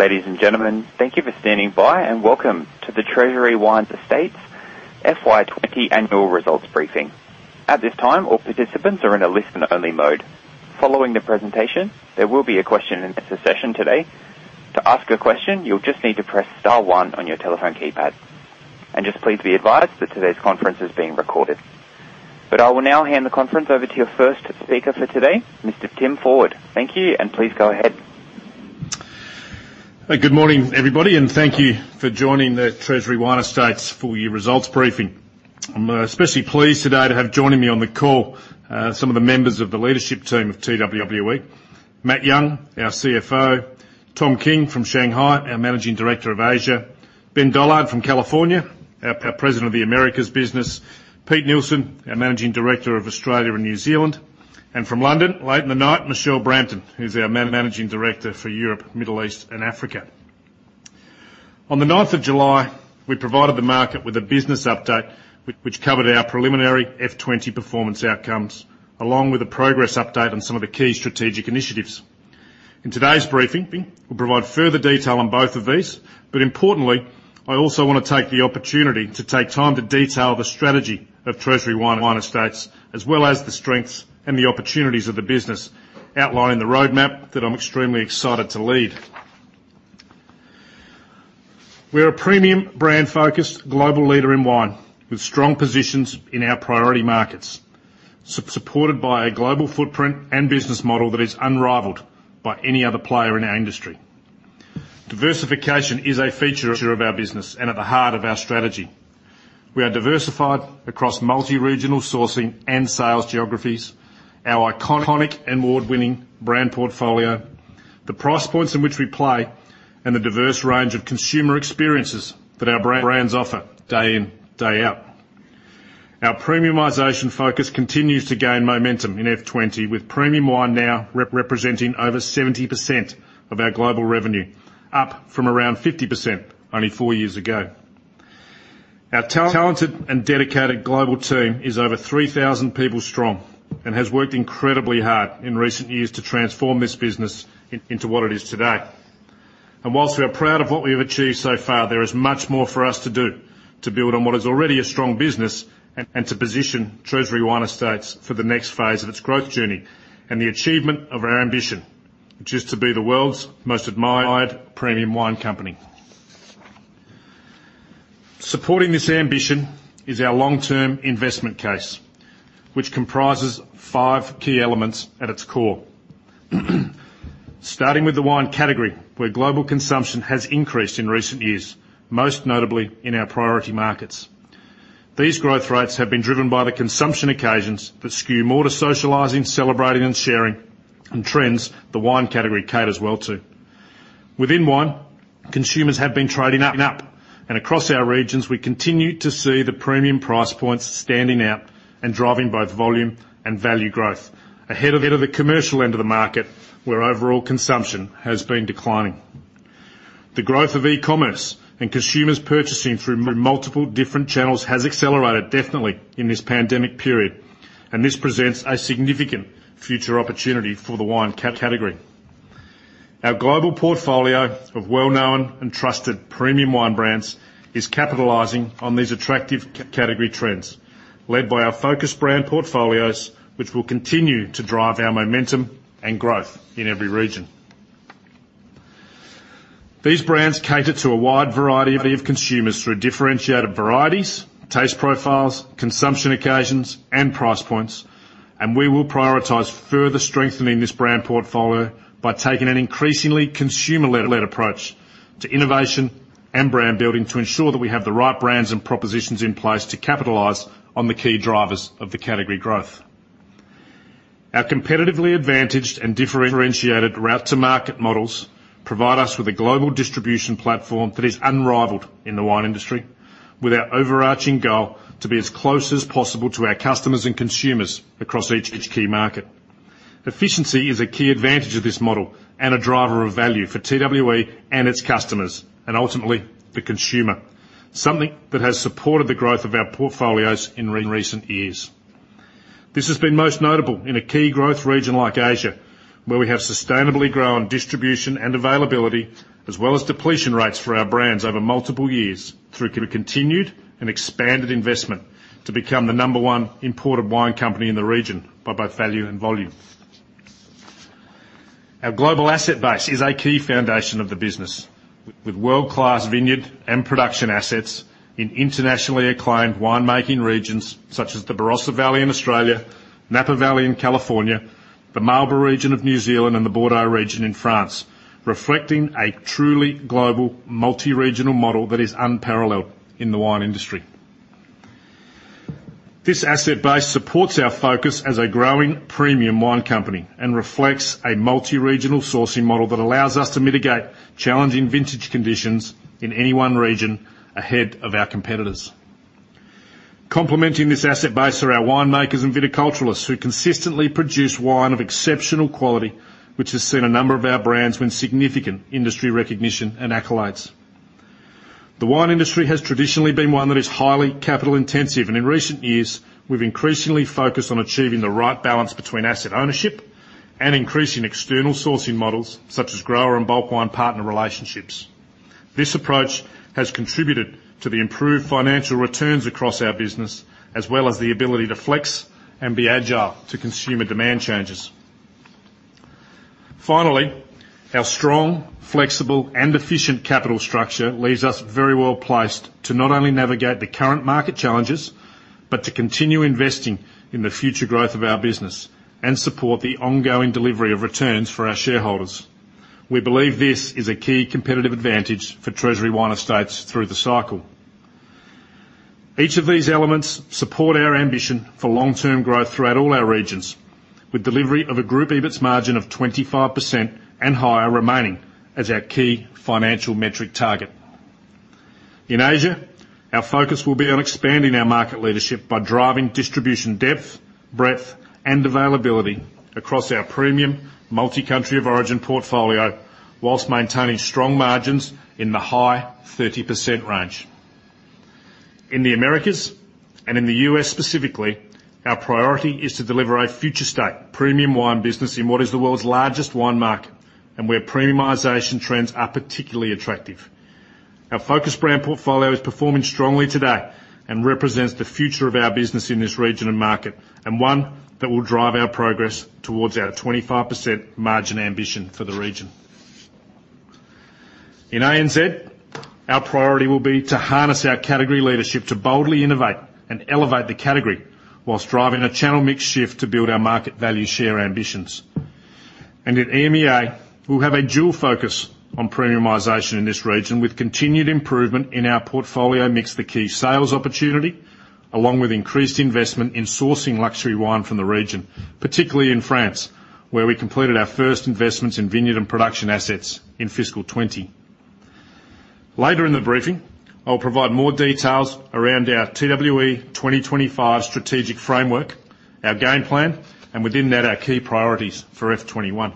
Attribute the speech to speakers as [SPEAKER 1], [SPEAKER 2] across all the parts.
[SPEAKER 1] Ladies and gentlemen, thank you for standing by and welcome to the Treasury Wine Estates FY 2020 annual results briefing. At this time, all participants are in a listen-only mode. Following the presentation, there will be a question-and-answer session today. To ask a question, you'll just need to press star one on your telephone keypad. Just please be advised that today's conference is being recorded. I will now hand the conference over to your first speaker for today, Mr. Tim Ford. Thank you, and please go ahead.
[SPEAKER 2] Good morning, everybody, and thank you for joining the Treasury Wine Estates' full-year results briefing. I'm especially pleased today to have joined me on the call some of the members of the leadership team of TWE: Matt Young, our CFO; Tom King from Shanghai, our Managing Director of Asia; Ben Dollard from California, our President of the Americas business; Peter Nilsson, our Managing Director of Australia and New Zealand; and from London late in the night, Michelle Brampton, who's our Managing Director for Europe, Middle East, and Africa. On the 9th of July, we provided the market with a business update which covered our preliminary F20 performance outcomes, along with a progress update on some of the key strategic initiatives. In today's briefing, we'll provide further detail on both of these, but importantly, I also want to take the opportunity to take time to detail the strategy of Treasury Wine Estates, as well as the strengths and the opportunities of the business, outlining the roadmap that I'm extremely excited to lead. We're a premium brand-focused global leader in wine, with strong positions in our priority markets, supported by a global footprint and business model that is unrivaled by any other player in our industry. Diversification is a feature of our business and at the heart of our strategy. We are diversified across multi-regional sourcing and sales geographies, our iconic and award-winning brand portfolio, the price points in which we play, and the diverse range of consumer experiences that our brands offer day in, day out. Our premiumization focus continues to gain momentum in F20, with premium wine now representing over 70% of our global revenue, up from around 50% only four years ago. Our talented and dedicated global team is over 3,000 people strong and has worked incredibly hard in recent years to transform this business into what it is today. While we are proud of what we have achieved so far, there is much more for us to do to build on what is already a strong business and to position Treasury Wine Estates for the next phase of its growth journey and the achievement of our ambition, which is to be the world's most admired premium wine company. Supporting this ambition is our long-term investment case, which comprises five key elements at its core. Starting with the wine category, where global consumption has increased in recent years, most notably in our priority markets. These growth rates have been driven by the consumption occasions that skew more to socializing, celebrating, and sharing, and trends the wine category caters well to. Within wine, consumers have been trading up, and across our regions, we continue to see the premium price points standing out and driving both volume and value growth, ahead of the commercial end of the market, where overall consumption has been declining. The growth of e-commerce and consumers purchasing through multiple different channels has accelerated, definitely, in this pandemic period, and this presents a significant future opportunity for the wine category. Our global portfolio of well-known and trusted premium wine brands is capitalizing on these attractive category trends, led by our focused brand portfolios, which will continue to drive our momentum and growth in every region. These brands cater to a wide variety of consumers through differentiated varieties, taste profiles, consumption occasions, and price points, and we will prioritize further strengthening this brand portfolio by taking an increasingly consumer-led approach to innovation and brand building to ensure that we have the right brands and propositions in place to capitalize on the key drivers of the category growth. Our competitively advantaged and differentiated route-to-market models provide us with a global distribution platform that is unrivaled in the wine industry, with our overarching goal to be as close as possible to our customers and consumers across each key market. Efficiency is a key advantage of this model and a driver of value for TWE and its customers, and ultimately the consumer, something that has supported the growth of our portfolios in recent years. This has been most notable in a key growth region like Asia, where we have sustainably grown distribution and availability, as well as depletion rates for our brands over multiple years, through continued and expanded investment to become the number one imported wine company in the region by both value and volume. Our global asset base is a key foundation of the business, with world-class vineyard and production assets in internationally acclaimed winemaking regions such as the Barossa Valley in Australia, Napa Valley in California, the Marlborough region of New Zealand, and the Bordeaux region in France, reflecting a truly global multi-regional model that is unparalleled in the wine industry. This asset base supports our focus as a growing premium wine company and reflects a multi-regional sourcing model that allows us to mitigate challenging vintage conditions in any one region ahead of our competitors. Complementing this asset base are our winemakers and viticulturalists, who consistently produce wine of exceptional quality, which has seen a number of our brands win significant industry recognition and accolades. The wine industry has traditionally been one that is highly capital-intensive, and in recent years, we've increasingly focused on achieving the right balance between asset ownership and increasing external sourcing models such as grower and bulk wine partner relationships. This approach has contributed to the improved financial returns across our business, as well as the ability to flex and be agile to consumer demand changes. Finally, our strong, flexible, and efficient capital structure leaves us very well placed to not only navigate the current market challenges but to continue investing in the future growth of our business and support the ongoing delivery of returns for our shareholders. We believe this is a key competitive advantage for Treasury Wine Estates through the cycle. Each of these elements supports our ambition for long-term growth throughout all our regions, with delivery of a group EBITS margin of 25% and higher remaining as our key financial metric target. In Asia, our focus will be on expanding our market leadership by driving distribution depth, breadth, and availability across our premium multi-country of origin portfolio, whilst maintaining strong margins in the high 30% range. In the Americas and in the U.S. specifically, our priority is to deliver a future-state premium wine business in what is the world's largest wine market and where premiumization trends are particularly attractive. Our focused brand portfolio is performing strongly today and represents the future of our business in this region and market, and one that will drive our progress towards our 25% margin ambition for the region. In ANZ, our priority will be to harness our category leadership to boldly innovate and elevate the category, while driving a channel mix shift to build our market value share ambitions. And at EMEA, we'll have a dual focus on premiumisation in this region, with continued improvement in our portfolio mix that key sales opportunity, along with increased investment in sourcing luxury wine from the region, particularly in France, where we completed our first investments in vineyard and production assets in fiscal 2020. Later in the briefing, I'll provide more details around our TWE 2025 strategic framework, our Game Plan, and within that, our key priorities for fiscal 2021.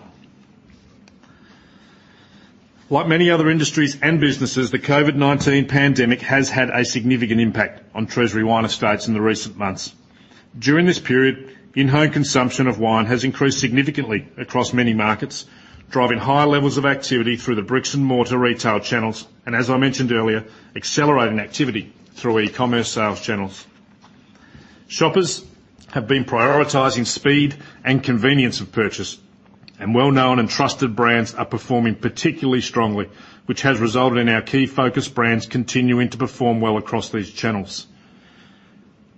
[SPEAKER 2] Like many other industries and businesses, the COVID-19 pandemic has had a significant impact on Treasury Wine Estates in the recent months. During this period, in-home consumption of wine has increased significantly across many markets, driving high levels of activity through the bricks-and-mortar retail channels, and as I mentioned earlier, accelerating activity through e-commerce sales channels. Shoppers have been prioritizing speed and convenience of purchase, and well-known and trusted brands are performing particularly strongly, which has resulted in our key focused brands continuing to perform well across these channels.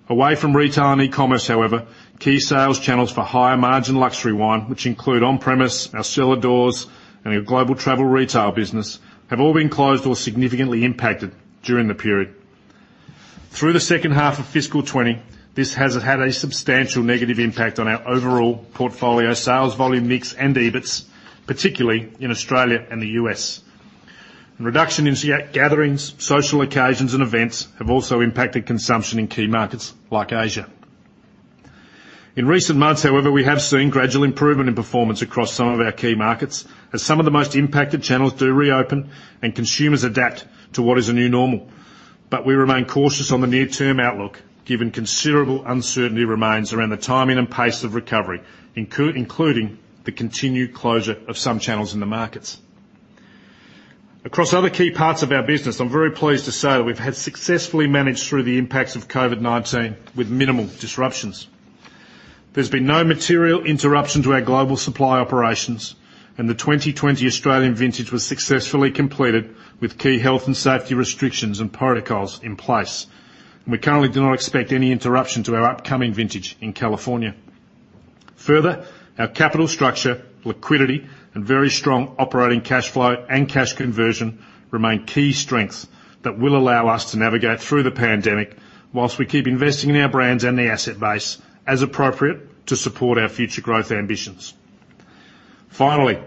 [SPEAKER 2] Away from retail and e-commerce, however, key sales channels for higher-margin luxury wine, which include on-premise, our cellar doors, and our global travel retail business, have all been closed or significantly impacted during the period. Through the second half of fiscal 2020, this has had a substantial negative impact on our overall portfolio sales volume mix and EBITS, particularly in Australia and the U.S. Reduction in gatherings, social occasions, and events have also impacted consumption in key markets like Asia. In recent months, however, we have seen gradual improvement in performance across some of our key markets, as some of the most impacted channels do reopen and consumers adapt to what is a new normal. But we remain cautious on the near-term outlook, given considerable uncertainty remains around the timing and pace of recovery, including the continued closure of some channels in the markets. Across other key parts of our business, I'm very pleased to say that we've successfully managed through the impacts of COVID-19 with minimal disruptions. There's been no material interruption to our global supply operations, and the 2020 Australian vintage was successfully completed with key health and safety restrictions and protocols in place. We currently do not expect any interruption to our upcoming vintage in California. Further, our capital structure, liquidity, and very strong operating cash flow and cash conversion remain key strengths that will allow us to navigate through the pandemic while we keep investing in our brands and the asset base as appropriate to support our future growth ambitions. Finally,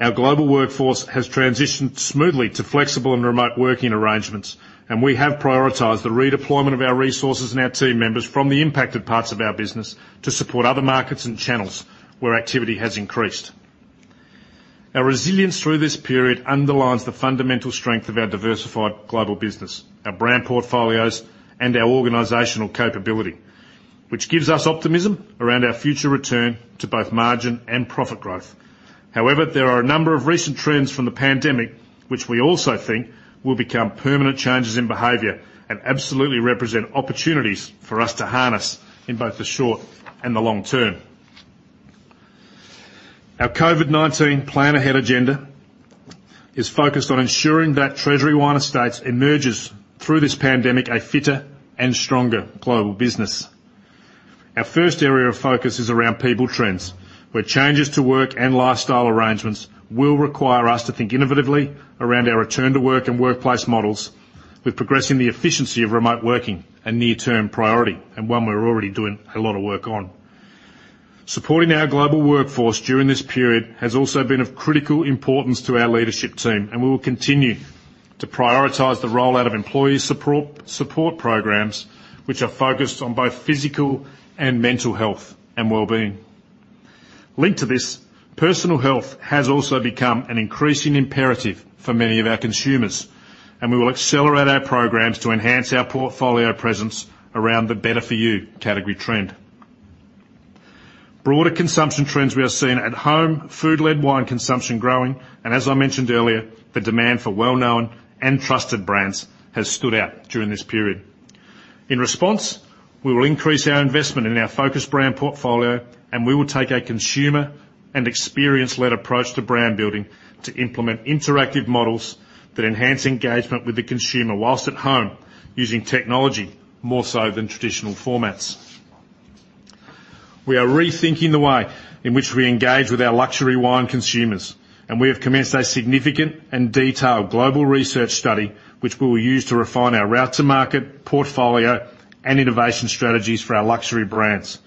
[SPEAKER 2] our global workforce has transitioned smoothly to flexible and remote working arrangements, and we have prioritized the redeployment of our resources and our team members from the impacted parts of our business to support other markets and channels where activity has increased. Our resilience through this period underlines the fundamental strength of our diversified global business, our brand portfolios, and our organizational capability, which gives us optimism around our future return to both margin and profit growth. However, there are a number of recent trends from the pandemic which we also think will become permanent changes in behavior and absolutely represent opportunities for us to harness in both the short and the long term. Our COVID-19 Plan Ahead agenda is focused on ensuring that Treasury Wine Estates emerges through this pandemic a fitter and stronger global business. Our first area of focus is around people trends, where changes to work and lifestyle arrangements will require us to think innovatively around our return to work and workplace models, with progressing the efficiency of remote working a near-term priority and one we're already doing a lot of work on. Supporting our global workforce during this period has also been of critical importance to our leadership team, and we will continue to prioritize the rollout of employee support programs, which are focused on both physical and mental health and well-being. Linked to this, personal health has also become an increasing imperative for many of our consumers, and we will accelerate our programs to enhance our portfolio presence around the "Better for You" category trend. Broader consumption trends we are seeing at home, food-led wine consumption growing, and as I mentioned earlier, the demand for well-known and trusted brands has stood out during this period. In response, we will increase our investment in our focused brand portfolio, and we will take a consumer and experience-led approach to brand building to implement interactive models that enhance engagement with the consumer whilst at home using technology more so than traditional formats. We are rethinking the way in which we engage with our luxury wine consumers, and we have commenced a significant and detailed global research study which we will use to refine our route-to-market portfolio and innovation strategies for our luxury brands.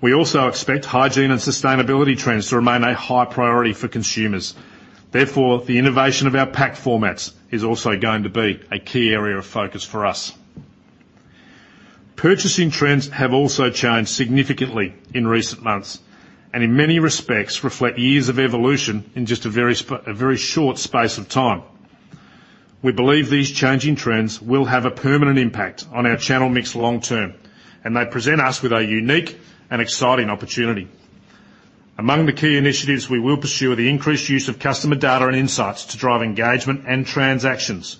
[SPEAKER 2] We also expect hygiene and sustainability trends to remain a high priority for consumers. Therefore, the innovation of our pack formats is also going to be a key area of focus for us. Purchasing trends have also changed significantly in recent months and in many respects reflect years of evolution in just a very short space of time. We believe these changing trends will have a permanent impact on our channel mix long term, and they present us with a unique and exciting opportunity. Among the key initiatives we will pursue are the increased use of customer data and insights to drive engagement and transactions,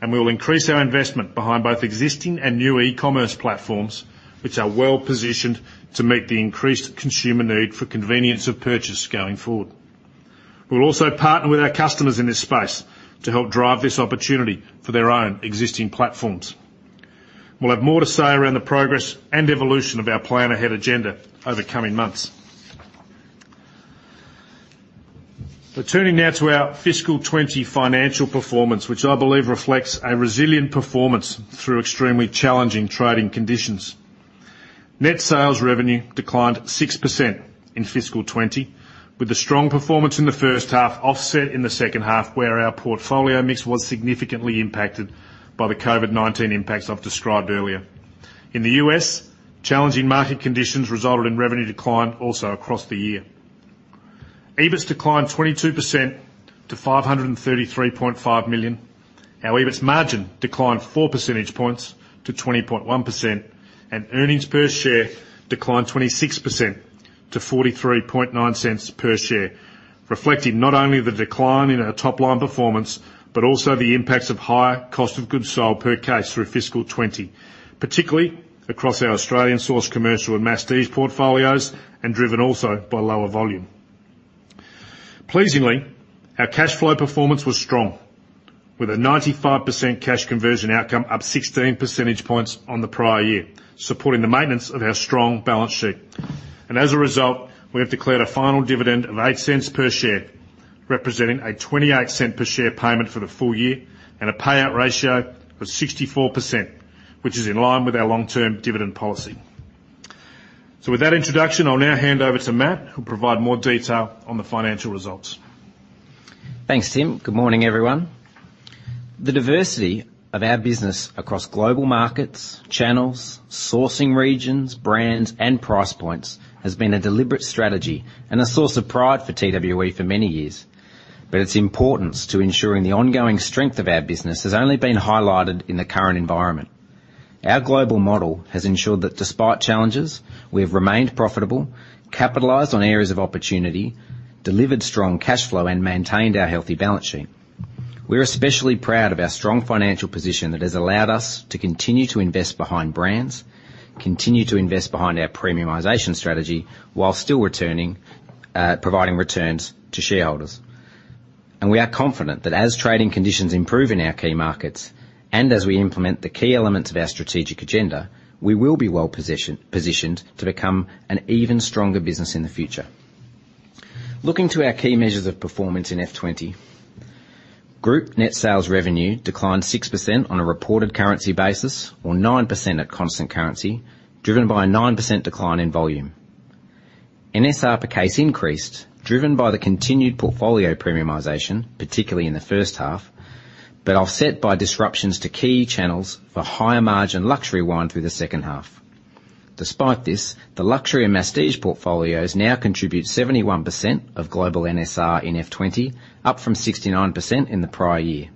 [SPEAKER 2] and we will increase our investment behind both existing and new e-commerce platforms, which are well positioned to meet the increased consumer need for convenience of purchase going forward. We will also partner with our customers in this space to help drive this opportunity for their own existing platforms. We'll have more to say around the progress and evolution of our Plan Ahead agenda over coming months. Turning now to our fiscal 2020 financial performance, which I believe reflects a resilient performance through extremely challenging trading conditions. Net sales revenue declined 6% in fiscal 2020, with the strong performance in the first half offset in the second half, where our portfolio mix was significantly impacted by the COVID-19 impacts I've described earlier. In the US, challenging market conditions resulted in revenue decline also across the year. EBITS declined 22% to 533.5 million. Our EBITS margin declined 4 percentage points to 20.1%, and earnings per share declined 26% to 0.439 per share, reflecting not only the decline in our top-line performance but also the impacts of high cost of goods sold per case through fiscal 2020, particularly across our Australian-sourced commercial and masstige portfolios and driven also by lower volume. Pleasingly, our cash flow performance was strong, with a 95% cash conversion outcome up 16 percentage points on the prior year, supporting the maintenance of our strong balance sheet. And as a result, we have declared a final dividend of 0.08 per share, representing a 0.28 per share payment for the full year and a payout ratio of 64%, which is in line with our long-term dividend policy. So with that introduction, I'll now hand over to Matt, who will provide more detail on the financial results.
[SPEAKER 3] Thanks, Tim. Good morning, everyone. The diversity of our business across global markets, channels, sourcing regions, brands, and price points has been a deliberate strategy and a source of pride for TWE for many years, but its importance to ensuring the ongoing strength of our business has only been highlighted in the current environment. Our global model has ensured that despite challenges, we have remained profitable, capitalized on areas of opportunity, delivered strong cash flow, and maintained our healthy balance sheet. We're especially proud of our strong financial position that has allowed us to continue to invest behind brands, continue to invest behind our premiumization strategy while still providing returns to shareholders, and we are confident that as trading conditions improve in our key markets and as we implement the key elements of our strategic agenda, we will be well positioned to become an even stronger business in the future. Looking to our key measures of performance in F20, group net sales revenue declined 6% on a reported currency basis or 9% at constant currency, driven by a 9% decline in volume. NSR per case increased, driven by the continued portfolio premiumization, particularly in the first half, but offset by disruptions to key channels for higher-margin luxury wine through the second half. Despite this, the luxury and masstige portfolios now contribute 71% of global NSR in F20, up from 69% in the prior year.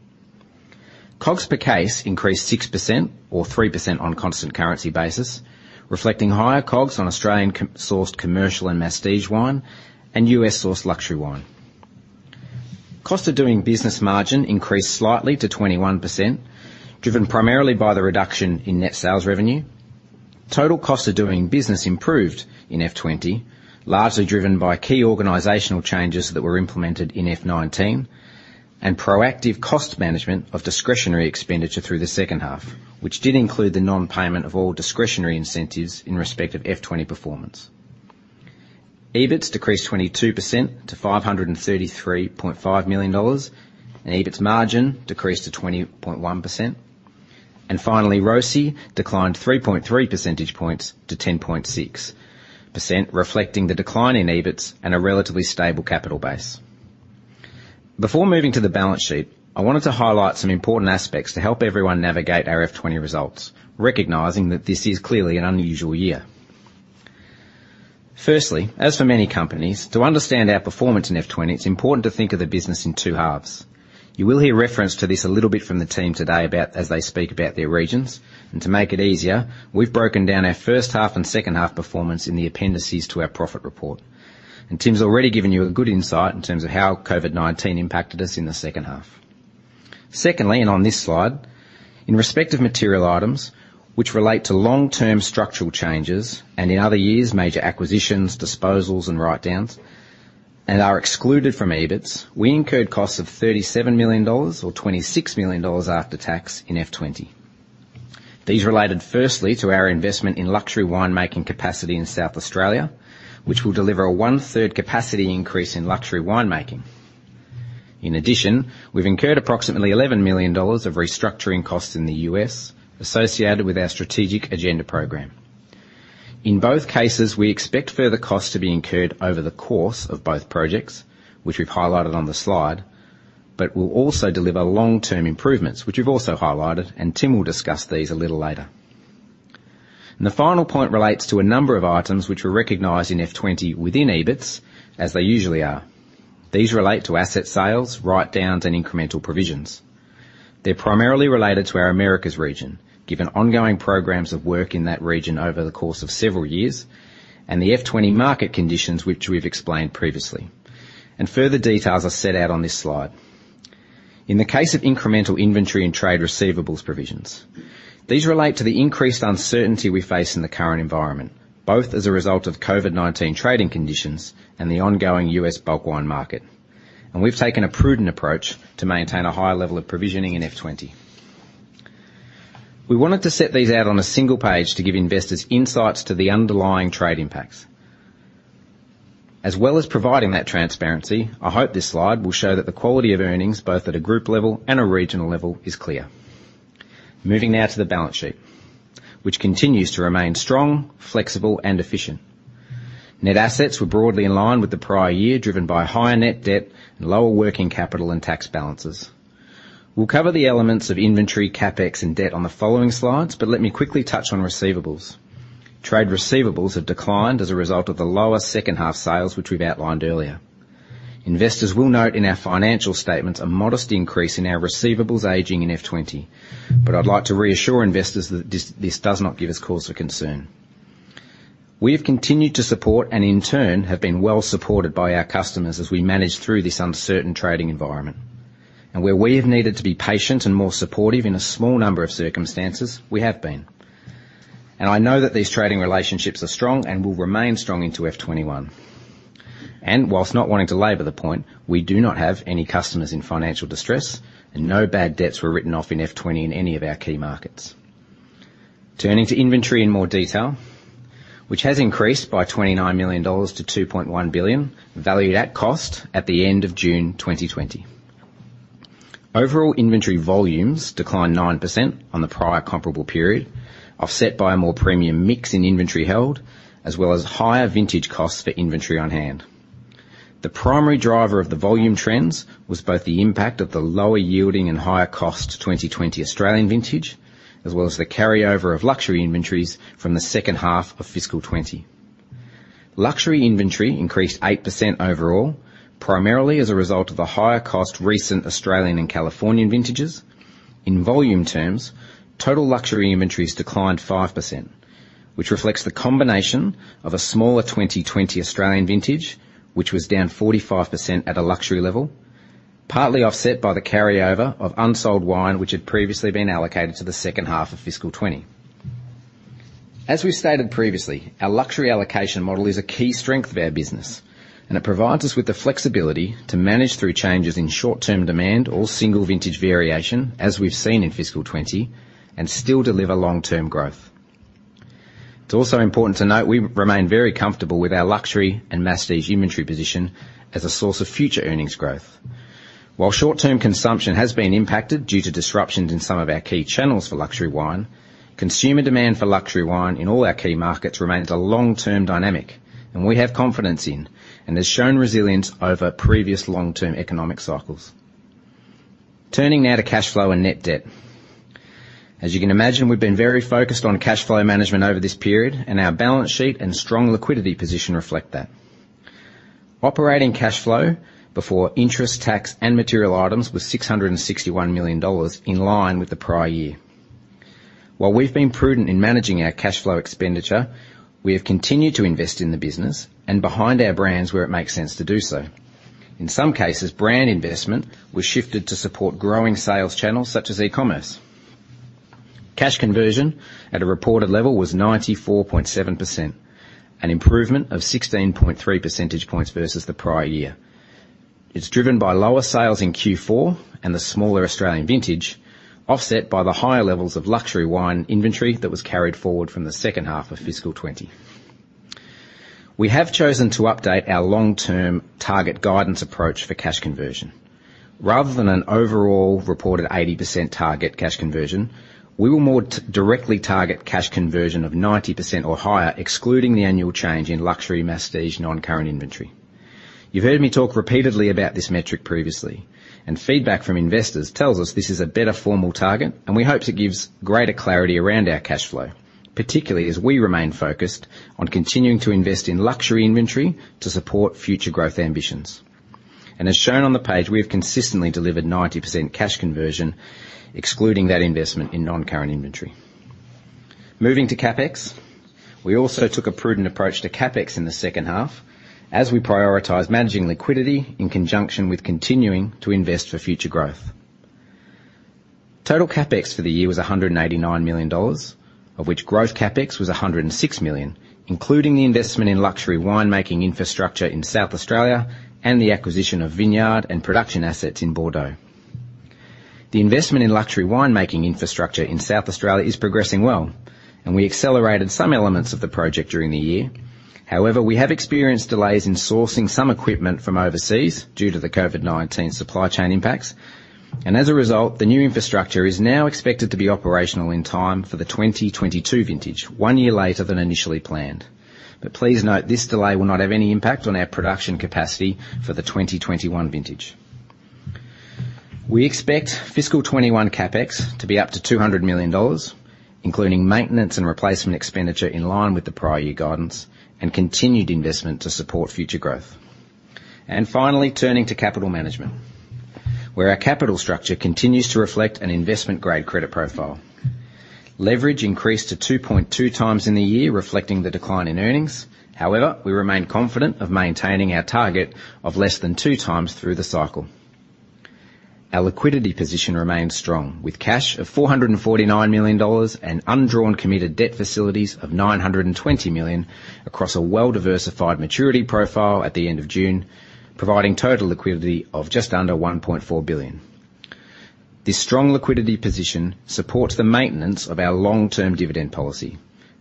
[SPEAKER 3] COGS per case increased 6% or 3% on a constant currency basis, reflecting higher COGS on Australian-sourced commercial and masstige wine and US-sourced luxury wine. Cost of doing business margin increased slightly to 21%, driven primarily by the reduction in net sales revenue. Total cost of doing business improved in F20, largely driven by key organizational changes that were implemented in F19 and proactive cost management of discretionary expenditure through the second half, which did include the non-payment of all discretionary incentives in respect of F20 performance. EBITS decreased 22% to 533.5 million dollars, and EBITS margin decreased to 20.1%. Finally, ROCE declined 3.3 percentage points to 10.6%, reflecting the decline in EBITS and a relatively stable capital base. Before moving to the balance sheet, I wanted to highlight some important aspects to help everyone navigate our F20 results, recognizing that this is clearly an unusual year. Firstly, as for many companies, to understand our performance in F20, it's important to think of the business in two halves. You will hear reference to this a little bit from the team today as they speak about their regions. To make it easier, we've broken down our first half and second half performance in the appendices to our profit report. Tim's already given you a good insight in terms of how COVID-19 impacted us in the second half. Secondly, and on this slide, in respect of material items which relate to long-term structural changes and in other years major acquisitions, disposals, and write-downs and are excluded from EBITS, we incurred costs of AUD 37 million or AUD 26 million after tax in F20. These related firstly to our investment in luxury winemaking capacity in South Australia, which will deliver a one-third capacity increase in luxury winemaking. In addition, we've incurred approximately 11 million dollars of restructuring costs in the US associated with our strategic agenda program. In both cases, we expect further costs to be incurred over the course of both projects, which we've highlighted on the slide, but we'll also deliver long-term improvements, which we've also highlighted, and Tim will discuss these a little later. And the final point relates to a number of items which were recognized in F20 within EBITS, as they usually are. These relate to asset sales, write-downs, and incremental provisions. They're primarily related to our Americas region, given ongoing programs of work in that region over the course of several years, and the F20 market conditions which we've explained previously. And further details are set out on this slide. In the case of incremental inventory and trade receivables provisions, these relate to the increased uncertainty we face in the current environment, both as a result of COVID-19 trading conditions and the ongoing U.S. bulk wine market. We've taken a prudent approach to maintain a high level of provisioning in F20. We wanted to set these out on a single page to give investors insights to the underlying trade impacts. As well as providing that transparency, I hope this slide will show that the quality of earnings both at a group level and a regional level is clear. Moving now to the balance sheet, which continues to remain strong, flexible, and efficient. Net assets were broadly in line with the prior year, driven by higher net debt and lower working capital and tax balances. We'll cover the elements of inventory, CapEx, and debt on the following slides, but let me quickly touch on receivables. Trade receivables have declined as a result of the lower second half sales, which we've outlined earlier. Investors will note in our financial statements a modest increase in our receivables aging in F20, but I'd like to reassure investors that this does not give us cause for concern. We have continued to support and in turn have been well supported by our customers as we manage through this uncertain trading environment. Where we have needed to be patient and more supportive in a small number of circumstances, we have been. I know that these trading relationships are strong and will remain strong into F21. While not wanting to labor the point, we do not have any customers in financial distress, and no bad debts were written off in F20 in any of our key markets. Turning to inventory in more detail, which has increased by AUD 29 million to AUD 2.1 billion, valued at cost at the end of June 2020. Overall inventory volumes declined 9% on the prior comparable period, offset by a more premium mix in inventory held, as well as higher vintage costs for inventory on hand. The primary driver of the volume trends was both the impact of the lower yielding and higher cost 2020 Australian vintage, as well as the carryover of luxury inventories from the second half of fiscal 2020. Luxury inventory increased 8% overall, primarily as a result of the higher cost recent Australian and Californian vintages. In volume terms, total luxury inventories declined 5%, which reflects the combination of a smaller 2020 Australian vintage, which was down 45% at a luxury level, partly offset by the carryover of unsold wine which had previously been allocated to the second half of fiscal 2020. As we've stated previously, our luxury allocation model is a key strength of our business, and it provides us with the flexibility to manage through changes in short-term demand or single vintage variation, as we've seen in fiscal 2020, and still deliver long-term growth. It's also important to note we remain very comfortable with our luxury and masstige inventory position as a source of future earnings growth. While short-term consumption has been impacted due to disruptions in some of our key channels for luxury wine, consumer demand for luxury wine in all our key markets remains a long-term dynamic and we have confidence in and has shown resilience over previous long-term economic cycles. Turning now to cash flow and net debt. As you can imagine, we've been very focused on cash flow management over this period, and our balance sheet and strong liquidity position reflect that. Operating cash flow before interest, tax, and material items was 661 million dollars in line with the prior year. While we've been prudent in managing our cash flow expenditure, we have continued to invest in the business and behind our brands where it makes sense to do so. In some cases, brand investment was shifted to support growing sales channels such as e-commerce. Cash conversion at a reported level was 94.7%, an improvement of 16.3 percentage points versus the prior year. It's driven by lower sales in Q4 and the smaller Australian vintage, offset by the higher levels of luxury wine inventory that was carried forward from the second half of fiscal 2020. We have chosen to update our long-term target guidance approach for cash conversion. Rather than an overall reported 80% target cash conversion, we will more directly target cash conversion of 90% or higher, excluding the annual change in luxury, masstige, non-current inventory. You've heard me talk repeatedly about this metric previously, and feedback from investors tells us this is a better formal target, and we hope it gives greater clarity around our cash flow, particularly as we remain focused on continuing to invest in luxury inventory to support future growth ambitions. And as shown on the page, we have consistently delivered 90% cash conversion, excluding that investment in non-current inventory. Moving to CapEx, we also took a prudent approach to CapEx in the second half as we prioritized managing liquidity in conjunction with continuing to invest for future growth. Total CapEx for the year was AUD 189 million, of which growth CapEx was AUD 106 million, including the investment in luxury wine-making infrastructure in South Australia and the acquisition of vineyard and production assets in Bordeaux. The investment in luxury wine-making infrastructure in South Australia is progressing well, and we accelerated some elements of the project during the year. However, we have experienced delays in sourcing some equipment from overseas due to the COVID-19 supply chain impacts, and as a result, the new infrastructure is now expected to be operational in time for the 2022 vintage, one year later than initially planned, but please note this delay will not have any impact on our production capacity for the 2021 vintage. We expect fiscal 2021 CapEx to be up to 200 million dollars, including maintenance and replacement expenditure in line with the prior year guidance and continued investment to support future growth. Finally, turning to capital management, where our capital structure continues to reflect an investment-grade credit profile. Leverage increased to 2.2 times in the year, reflecting the decline in earnings. However, we remain confident of maintaining our target of less than two times through the cycle. Our liquidity position remains strong with cash of 449 million dollars and undrawn committed debt facilities of 920 million across a well-diversified maturity profile at the end of June, providing total liquidity of just under 1.4 billion. This strong liquidity position supports the maintenance of our long-term dividend policy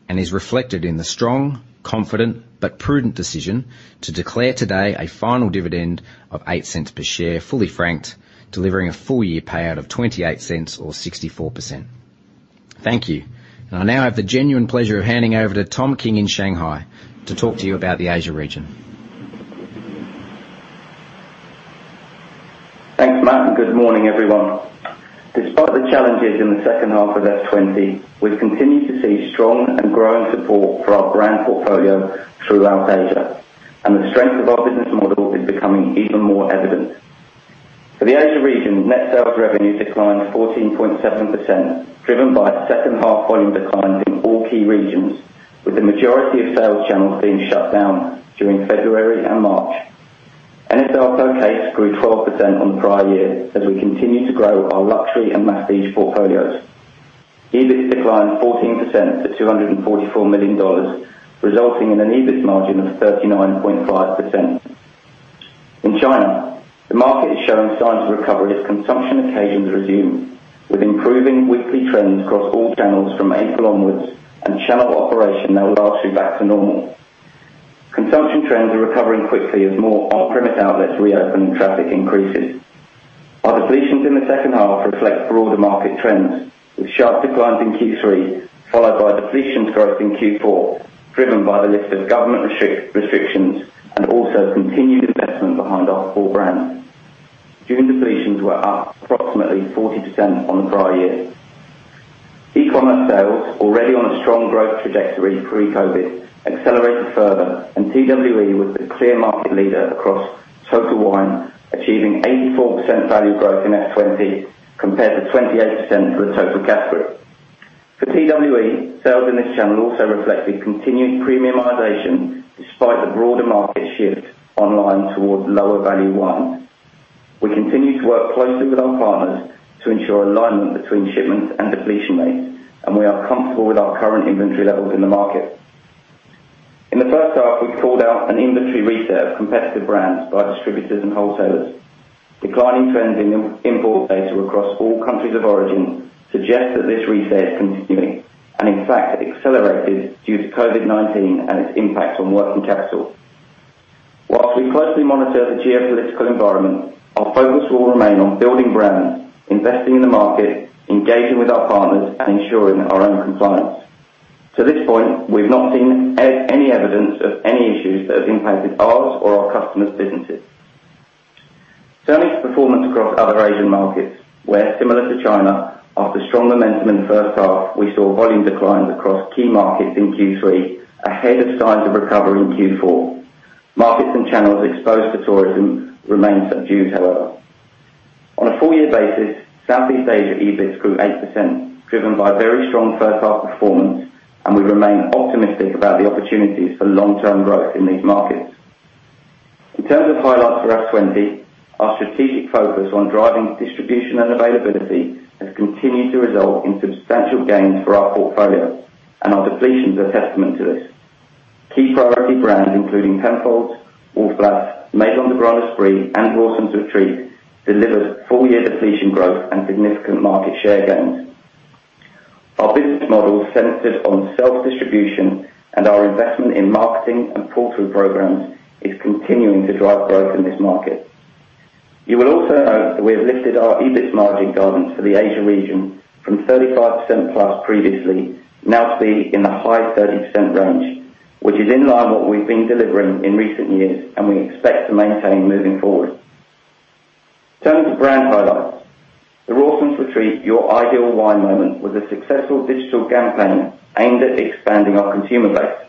[SPEAKER 3] and is reflected in the strong, confident, but prudent decision to declare today a final dividend of 0.08 per share, fully franked, delivering a full-year payout of 0.28 or 64%. Thank you. I now have the genuine pleasure of handing over to Tom King in Shanghai to talk to you about the Asia region.
[SPEAKER 4] Thanks, Matt. Good morning, everyone. Despite the challenges in the second half of F20, we've continued to see strong and growing support for our brand portfolio throughout Asia, and the strength of our business model is becoming even more evident. For the Asia region, net sales revenue declined 14.7%, driven by second half volume declines in all key regions, with the majority of sales channels being shut down during February and March. NSR per case grew 12% on the prior year as we continue to grow our luxury and masstige portfolios. EBITS declined 14% to 244 million dollars, resulting in an EBITS margin of 39.5%. In China, the market is showing signs of recovery as consumption occasions resume, with improving weekly trends across all channels from April onwards and channel operation now largely back to normal. Consumption trends are recovering quickly as more on-premise outlets reopen and traffic increases. Our depletions in the second half reflect broader market trends, with sharp declines in Q3 followed by depletions growth in Q4, driven by the lifting of government restrictions and also continued investment behind our brands. June depletions were up approximately 40% on the prior year. E-commerce sales, already on a strong growth trajectory pre-COVID, accelerated further, and TWE was the clear market leader across total wine, achieving 84% value growth in F20 compared to 28% for the total category. For TWE, sales in this channel also reflected continued premiumization despite the broader market shift online towards lower value wines. We continue to work closely with our partners to ensure alignment between shipments and depletion rates, and we are comfortable with our current inventory levels in the market. In the first half, we called out an inventory reset of competitive brands by distributors and wholesalers. Declining trends in import data across all countries of origin suggest that this reset is continuing and, in fact, accelerated due to COVID-19 and its impact on working capital. While we closely monitor the geopolitical environment, our focus will remain on building brands, investing in the market, engaging with our partners, and ensuring our own compliance. To this point, we've not seen any evidence of any issues that have impacted ours or our customers' businesses. Turning to performance across other Asian markets, where, similar to China, after strong momentum in the first half, we saw volume declines across key markets in Q3 ahead of signs of recovery in Q4. Markets and channels exposed to tourism remain subdued, however. On a full-year basis, Southeast Asia EBITS grew 8%, driven by very strong first half performance, and we remain optimistic about the opportunities for long-term growth in these markets. In terms of highlights for F20, our strategic focus on driving distribution and availability has continued to result in substantial gains for our portfolio, and our depletions are a testament to this. Key priority brands, including Penfolds, Wolf Blass, Maison de Grand Esprit, and Rawson's Retreat, delivered full-year depletion growth and significant market share gains. Our business model centered on self-distribution and our investment in marketing and pull-through programs is continuing to drive growth in this market. You will also note that we have lifted our EBITS margin guidance for the Asia region from 35% plus previously, now to be in the high 30% range, which is in line with what we've been delivering in recent years, and we expect to maintain moving forward. Turning to brand highlights, the Rawson's Retreat Your Ideal Wine Moment was a successful digital campaign aimed at expanding our consumer base.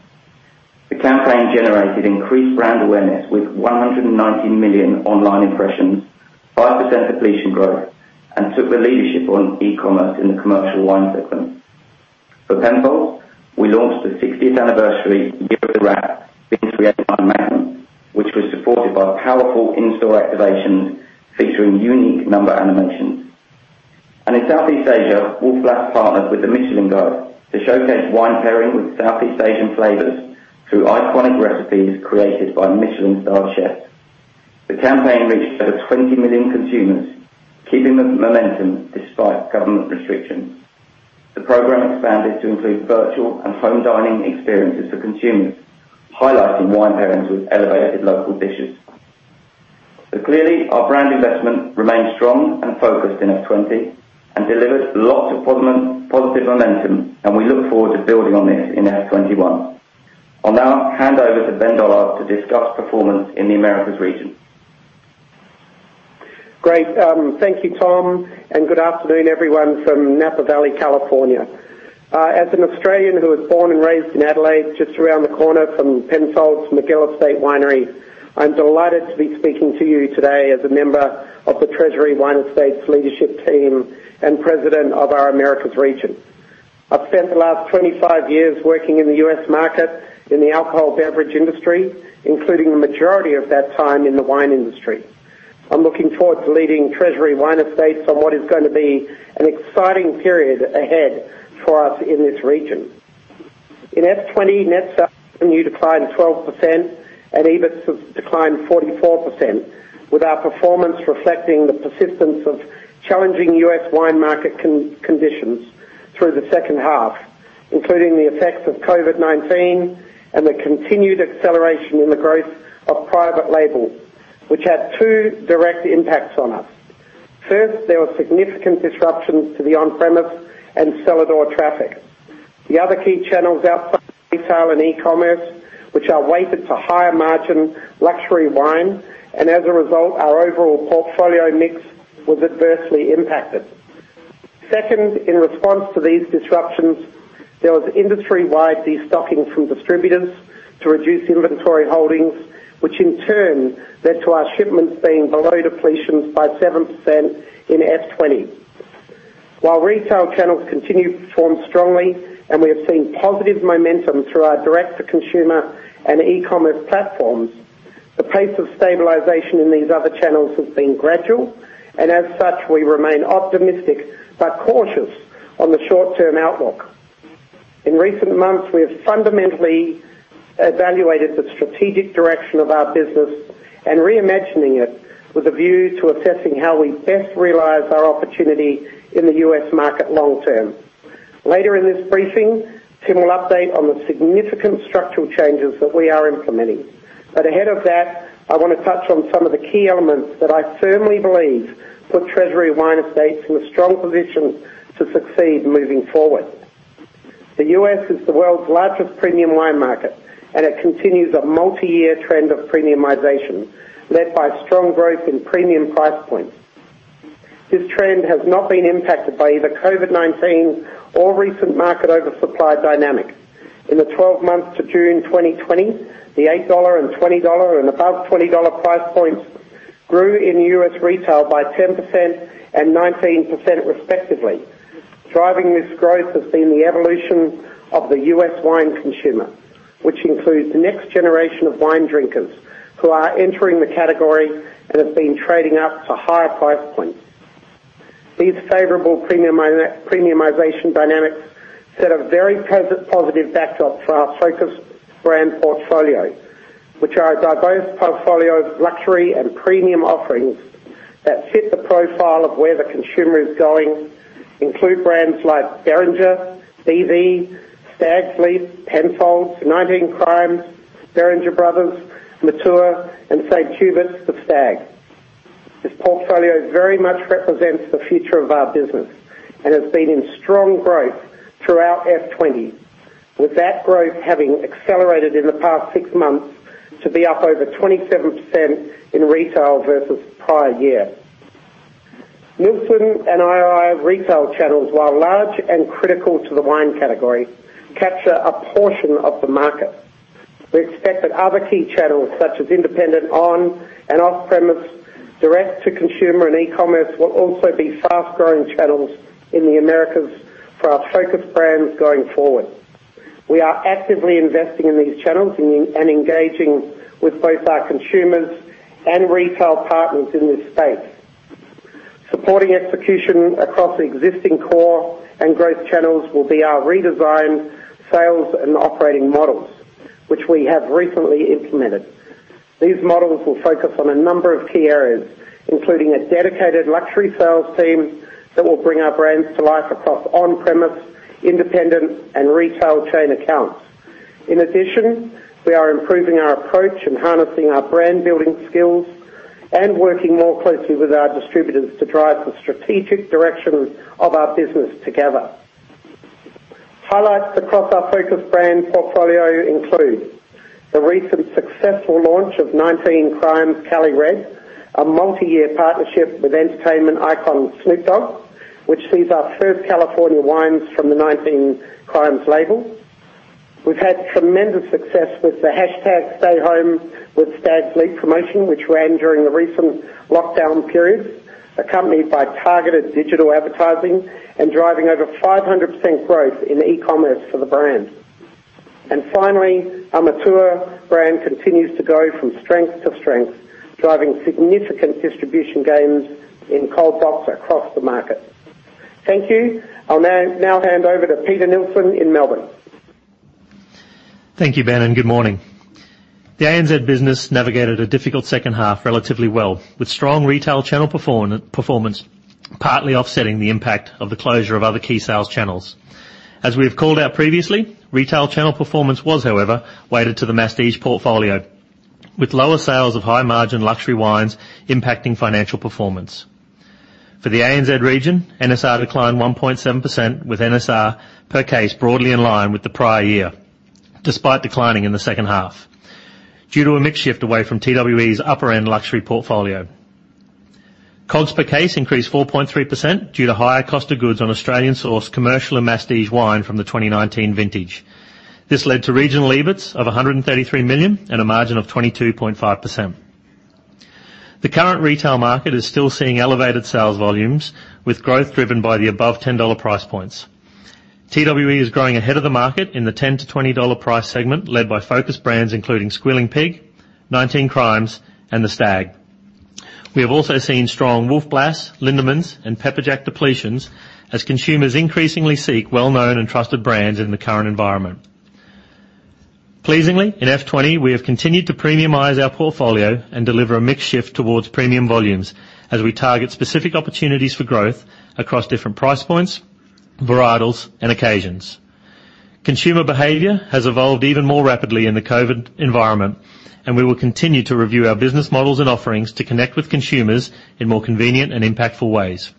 [SPEAKER 4] The campaign generated increased brand awareness with 190 million online impressions, 5% depletion growth, and took the leadership on e-commerce in the commercial wine segment. For Penfolds, we launched the 60th anniversary year of the Grange Vintage Red Wine Magnum, which was supported by powerful in-store activations featuring unique number animations. And in Southeast Asia, Wolf Blass partnered with the Michelin Guide to showcase wine pairing with Southeast Asian flavors through iconic recipes created by Michelin-starred chefs. The campaign reached over 20 million consumers, keeping the momentum despite government restrictions. The program expanded to include virtual and home dining experiences for consumers, highlighting wine pairings with elevated local dishes. Clearly, our brand investment remained strong and focused in F20 and delivered lots of positive momentum, and we look forward to building on this in F21. I'll now hand over to Ben Dollard to discuss performance in the Americas region.
[SPEAKER 5] Great. Thank you, Tom, and good afternoon, everyone from Napa Valley, California. As an Australian who was born and raised in Adelaide, just around the corner from Penfolds Magill Estate Winery, I'm delighted to be speaking to you today as a member of the Treasury Wine Estates Leadership Team and President of our Americas region. I've spent the last 25 years working in the US market in the alcohol beverage industry, including the majority of that time in the wine industry. I'm looking forward to leading Treasury Wine Estates on what is going to be an exciting period ahead for us in this region. In F20, net sales revenue declined 12% and EBITS declined 44%, with our performance reflecting the persistence of challenging US wine market conditions through the second half, including the effects of COVID-19 and the continued acceleration in the growth of private label, which had two direct impacts on us. First, there were significant disruptions to the on-premise and cellar door traffic. The other key channels outside retail and e-commerce, which are weighted to higher margin luxury wine, and as a result, our overall portfolio mix was adversely impacted. Second, in response to these disruptions, there was industry-wide destocking from distributors to reduce inventory holdings, which in turn led to our shipments being below depletions by 7% in F20. While retail channels continue to perform strongly and we have seen positive momentum through our direct-to-consumer and e-commerce platforms, the pace of stabilization in these other channels has been gradual, and as such, we remain optimistic but cautious on the short-term outlook. In recent months, we have fundamentally evaluated the strategic direction of our business and reimagining it with a view to assessing how we best realize our opportunity in the US market long-term. Later in this briefing, Tim will update on the significant structural changes that we are implementing. But ahead of that, I want to touch on some of the key elements that I firmly believe put Treasury Wine Estates in a strong position to succeed moving forward. The U.S. is the world's largest premium wine market, and it continues a multi-year trend of premiumization led by strong growth in premium price points. This trend has not been impacted by either COVID-19 or recent market oversupply dynamic. In the 12 months to June 2020, the $8 and $20 and above $20 price points grew in U.S. retail by 10% and 19% respectively. Driving this growth has been the evolution of the U.S. wine consumer, which includes the next generation of wine drinkers who are entering the category and have been trading up to higher price points. These favorable premiumization dynamics set a very positive backdrop for our focused brand portfolio, which are a diverse portfolio of luxury and premium offerings that fit the profile of where the consumer is going, include brands like Beringer, BV, Stags' Leap, Penfolds, 19 Crimes, Beringer Brothers, Matua, and St. Huberts The Stag. This portfolio very much represents the future of our business and has been in strong growth throughout F20, with that growth having accelerated in the past six months to be up over 27% in retail versus prior year. Nielsen and IRI retail channels, while large and critical to the wine category, capture a portion of the market. We expect that other key channels, such as independent on-premise and off-premise, direct-to-consumer, and e-commerce, will also be fast-growing channels in the Americas for our focused brands going forward. We are actively investing in these channels and engaging with both our consumers and retail partners in this space. Supporting execution across existing core and growth channels will be our redesigned sales and operating models, which we have recently implemented. These models will focus on a number of key areas, including a dedicated luxury sales team that will bring our brands to life across on-premise, independent, and retail chain accounts. In addition, we are improving our approach and harnessing our brand-building skills and working more closely with our distributors to drive the strategic direction of our business together. Highlights across our focused brand portfolio include the recent successful launch of 19 Crimes Cali Red, a multi-year partnership with entertainment icon Snoop Dogg, which sees our first California wines from the 19 Crimes label. We've had tremendous success with the #StayHomeWithStagsLeap promotion, which ran during the recent lockdown period, accompanied by targeted digital advertising and driving over 500% growth in e-commerce for the brand. And finally, our Matua brand continues to go from strength to strength, driving significant distribution gains in cold box across the market. Thank you. I'll now hand over to Peter Nilsson in Melbourne.
[SPEAKER 6] Thank you, Ben, and good morning. The ANZ business navigated a difficult second half relatively well, with strong retail channel performance partly offsetting the impact of the closure of other key sales channels. As we have called out previously, retail channel performance was, however, weighted to the masstige portfolio, with lower sales of high-margin luxury wines impacting financial performance. For the ANZ region, NSR declined 1.7% with NSR per case broadly in line with the prior year, despite declining in the second half due to a mixed shift away from TWE's upper-end luxury portfolio. COGS per case increased 4.3% due to higher cost of goods on Australian-sourced commercial and masstige wine from the 2019 vintage. This led to regional EBITS of 133 million and a margin of 22.5%. The current retail market is still seeing elevated sales volumes, with growth driven by the above $10 price points. TWE is growing ahead of the market in the $10-$20 price segment led by focused brands including Squealing Pig, 19 Crimes, and The Stag. We have also seen strong Wolf Blass, Lindeman's, and Pepperjack depletions as consumers increasingly seek well-known and trusted brands in the current environment. Pleasingly, in F20, we have continued to premiumize our portfolio and deliver a mixed shift towards premium volumes as we target specific opportunities for growth across different price points, varietals, and occasions. Consumer behaviour has evolved even more rapidly in the COVID environment, and we will continue to review our business models and offerings to connect with consumers in more convenient and impactful ways.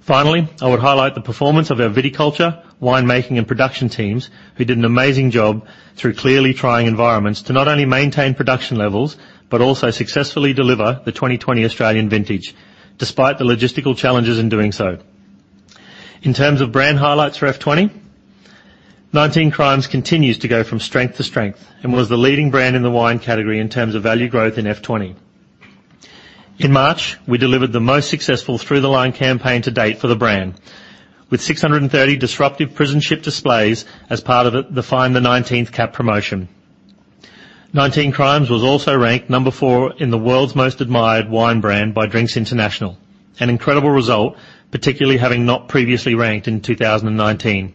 [SPEAKER 6] Finally, I would highlight the performance of our viticulture, winemaking, and production teams who did an amazing job through clearly trying environments to not only maintain production levels but also successfully deliver the 2020 Australian vintage despite the logistical challenges in doing so. In terms of brand highlights for F20, 19 Crimes continues to go from strength to strength and was the leading brand in the wine category in terms of value growth in F20. In March, we delivered the most successful through-the-line campaign to date for the brand, with 630 disruptive prison ship displays as part of the Find the 19th Cork promotion. 19 Crimes was also ranked number four in the world's most admired wine brand by Drinks International, an incredible result, particularly having not previously ranked in 2019.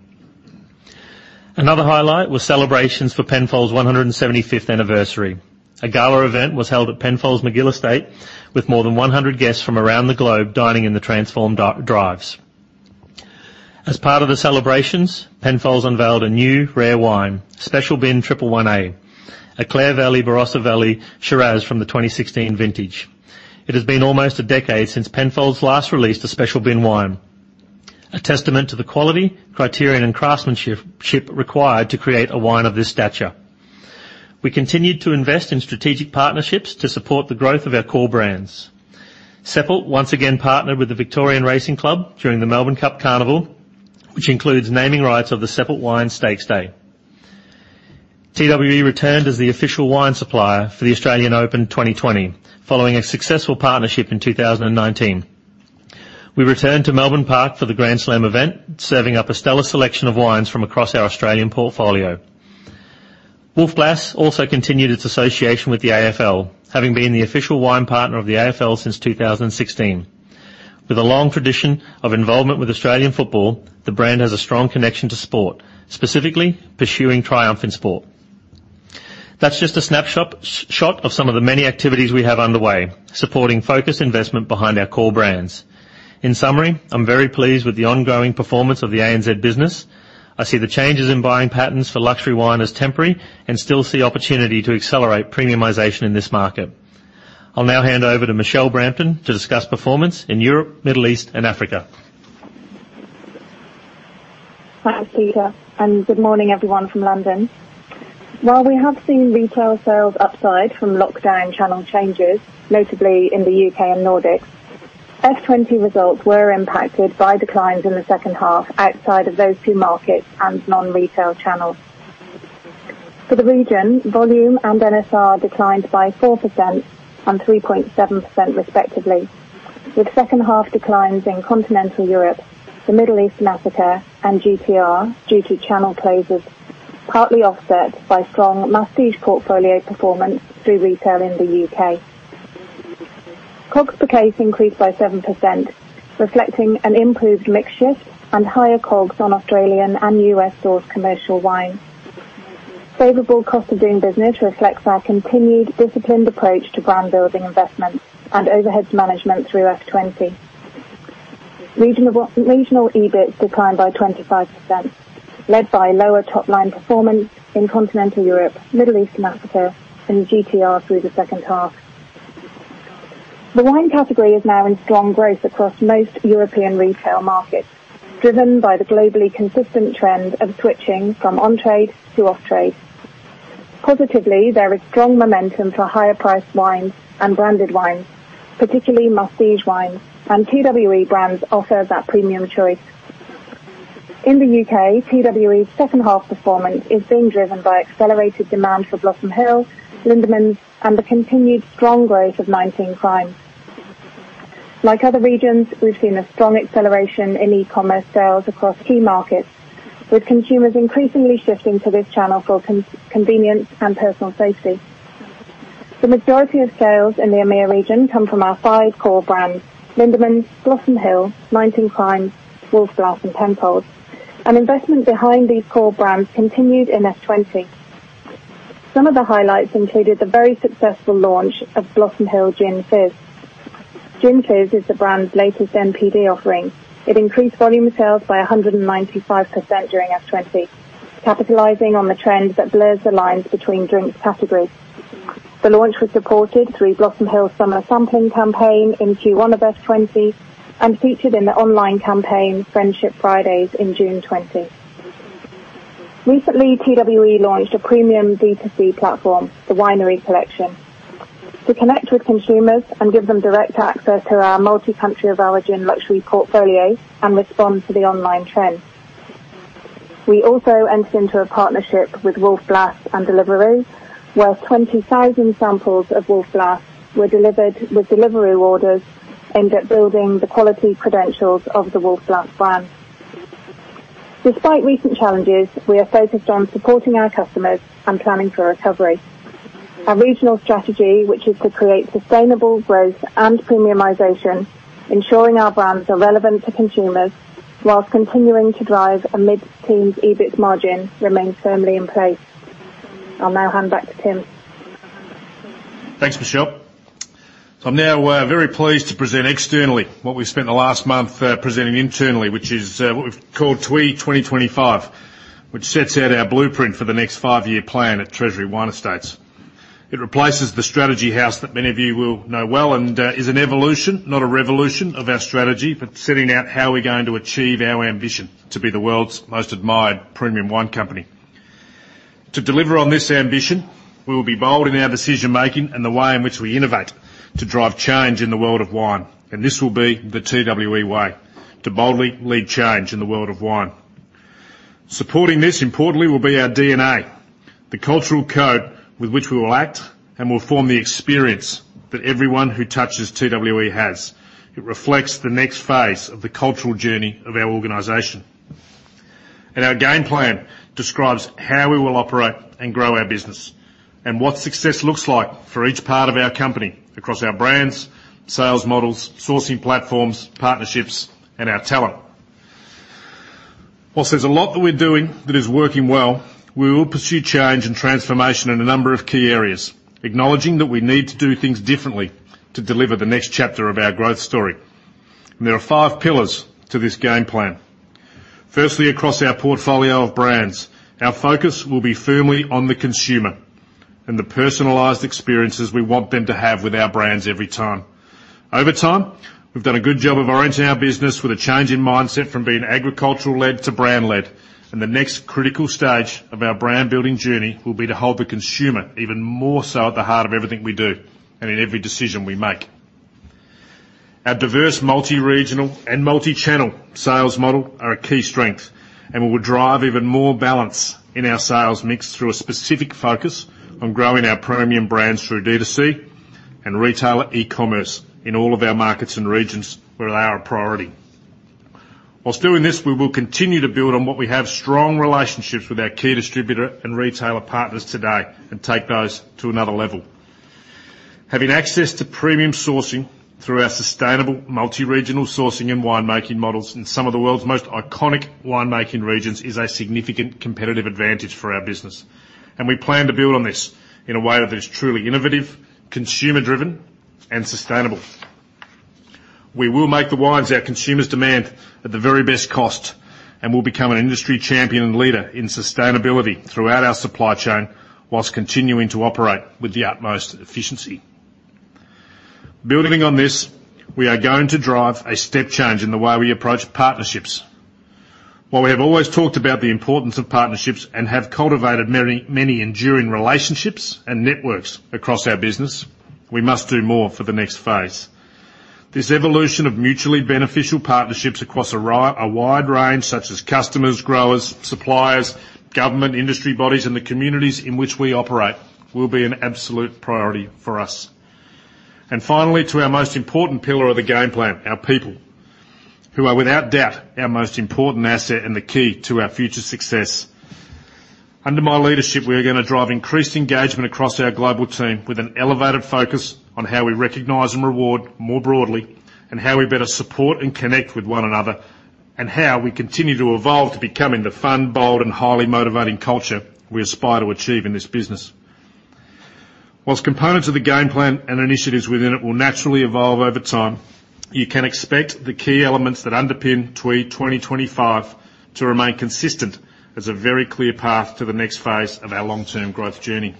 [SPEAKER 6] Another highlight was celebrations for Penfolds' 175th anniversary. A gala event was held at Penfolds Magill Estate with more than 100 guests from around the globe dining in the transformed Drives. As part of the celebrations, Penfolds unveiled a new rare wine, Special Bin 111A, a Clare Valley Barossa Valley Shiraz from the 2016 vintage. It has been almost a decade since Penfolds last released a special bin wine, a testament to the quality, criterion, and craftsmanship required to create a wine of this stature. We continued to invest in strategic partnerships to support the growth of our core brands. Seppelt once again partnered with the Victoria Racing Club during the Melbourne Cup Carnival, which includes naming rights of the Seppelt Wines Stakes Day. TWE returned as the official wine supplier for the Australian Open 2020, following a successful partnership in 2019. We returned to Melbourne Park for the Grand Slam event, serving up a stellar selection of wines from across our Australian portfolio. Wolf Blass also continued its association with the AFL, having been the official wine partner of the AFL since 2016. With a long tradition of involvement with Australian football, the brand has a strong connection to sport, specifically pursuing triumph in sport. That's just a snapshot of some of the many activities we have underway, supporting focused investment behind our core brands. In summary, I'm very pleased with the ongoing performance of the ANZ business. I see the changes in buying patterns for luxury wine as temporary and still see opportunity to accelerate premiumization in this market. I'll now hand over to Michelle Brampton to discuss performance in Europe, Middle East, and Africa.
[SPEAKER 7] Thanks, Peter. And good morning, everyone from London. While we have seen retail sales upside from lockdown channel changes, notably in the UK and Nordics, F20 results were impacted by declines in the second half outside of those two markets and non-retail channels. For the region, volume and NSR declined by 4% and 3.7% respectively, with second half declines in Continental Europe, the Middle East, and Africa, and GTR due to channel closures, partly offset by strong masstige portfolio performance through retail in the UK. COGS per case increased by 7%, reflecting an improved mix shift and higher COGS on Australian and US-sourced commercial wine. Favorable cost of doing business reflects our continued disciplined approach to brand-building investments and overhead management through F20. Regional EBITS declined by 25%, led by lower top-line performance in Continental Europe, Middle East, and Africa, and GTR through the second half. The wine category is now in strong growth across most European retail markets, driven by the globally consistent trend of switching from on-trade to off-trade. Positively, there is strong momentum for higher-priced wines and branded wines, particularly masstige wines, and TWE brands offer that premium choice. In the UK, TWE's second half performance is being driven by accelerated demand for Blossom Hill, Lindeman's, and the continued strong growth of 19 Crimes. Like other regions, we've seen a strong acceleration in e-commerce sales across key markets, with consumers increasingly shifting to this channel for convenience and personal safety. The majority of sales in the EMEA region come from our five core brands: Lindeman's, Blossom Hill, 19 Crimes, Wolf Blass, and Penfolds. And investment behind these core brands continued in F20. Some of the highlights included the very successful launch of Blossom Hill Gin Fizz. Gin Fizz is the brand's latest NPD offering. It increased volume sales by 195% during F20, capitalizing on the trend that blurs the lines between drink categories. The launch was supported through Blossom Hill's summer sampling campaign in Q1 of F20 and featured in the online campaign Friendship Fridays in June 2020. Recently, TWE launched a premium D2C platform, the Winery Collection, to connect with consumers and give them direct access to our multi-country of origin luxury portfolio and respond to the online trend. We also entered into a partnership with Wolf Blass and Deliveroo, where 20,000 samples of Wolf Blass were delivered with Deliveroo orders aimed at building the quality credentials of the Wolf Blass brand. Despite recent challenges, we are focused on supporting our customers and planning for recovery. Our regional strategy, which is to create sustainable growth and premiumization, ensuring our brands are relevant to consumers while continuing to drive a mid-teens EBITS margin, remains firmly in place. I'll now hand back to Tim.
[SPEAKER 2] Thanks, Michelle. I'm now very pleased to present externally what we've spent the last month presenting internally, which is what we've called TWE 2025, which sets out our blueprint for the next five-year plan at Treasury Wine Estates. It replaces the Strategy House that many of you will know well and is an evolution, not a revolution, of our strategy, but setting out how we're going to achieve our ambition to be the world's most admired premium wine company. To deliver on this ambition, we will be bold in our decision-making and the way in which we innovate to drive change in the world of wine. And this will be the TWE way to boldly lead change in the world of wine. Supporting this, importantly, will be our DNA, the cultural code with which we will act and will form the experience that everyone who touches TWE has. It reflects the next phase of the cultural journey of our organization. And our Game Plan describes how we will operate and grow our business and what success looks like for each part of our company across our brands, sales models, sourcing platforms, partnerships, and our talent. While there's a lot that we're doing that is working well, we will pursue change and transformation in a number of key areas, acknowledging that we need to do things differently to deliver the next chapter of our growth story. And there are five pillars to this Game Plan. Firstly, across our portfolio of brands, our focus will be firmly on the consumer and the personalized experiences we want them to have with our brands every time. Over time, we've done a good job of orienting our business with a changing mindset from being agricultural-led to brand-led, and the next critical stage of our brand-building journey will be to hold the consumer even more so at the heart of everything we do and in every decision we make. Our diverse multi-regional and multi-channel sales model are a key strength, and we will drive even more balance in our sales mix through a specific focus on growing our premium brands through D2C and retailer e-commerce in all of our markets and regions where they are a priority. While doing this, we will continue to build on what we have strong relationships with our key distributor and retailer partners today and take those to another level. Having access to premium sourcing through our sustainable multi-regional sourcing and winemaking models in some of the world's most iconic winemaking regions is a significant competitive advantage for our business. We plan to build on this in a way that is truly innovative, consumer-driven, and sustainable. We will make the wines our consumers demand at the very best cost and will become an industry champion and leader in sustainability throughout our supply chain while continuing to operate with the utmost efficiency. Building on this, we are going to drive a step change in the way we approach partnerships. While we have always talked about the importance of partnerships and have cultivated many enduring relationships and networks across our business, we must do more for the next phase. This evolution of mutually beneficial partnerships across a wide range, such as customers, growers, suppliers, government, industry bodies, and the communities in which we operate, will be an absolute priority for us. And finally, to our most important pillar of the Game Plan, our people, who are without doubt our most important asset and the key to our future success. Under my leadership, we are going to drive increased engagement across our global team with an elevated focus on how we recognise and reward more broadly and how we better support and connect with one another and how we continue to evolve to becoming the fun, bold, and highly motivating culture we aspire to achieve in this business. While components of the Game Plan and initiatives within it will naturally evolve over time, you can expect the key elements that underpin TWE 2025 to remain consistent as a very clear path to the next phase of our long-term growth journey.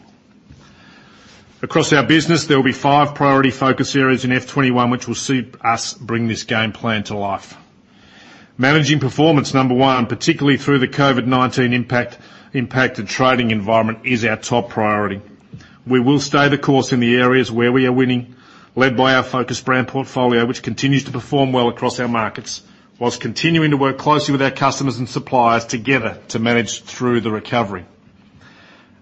[SPEAKER 2] Across our business, there will be five priority focus areas in F21 which will see us bring this Game Plan to life. Managing performance, number one, particularly through the COVID-19 impacted trading environment, is our top priority. We will stay the course in the areas where we are winning, led by our focus brand portfolio, which continues to perform well across our markets, while continuing to work closely with our customers and suppliers together to manage through the recovery,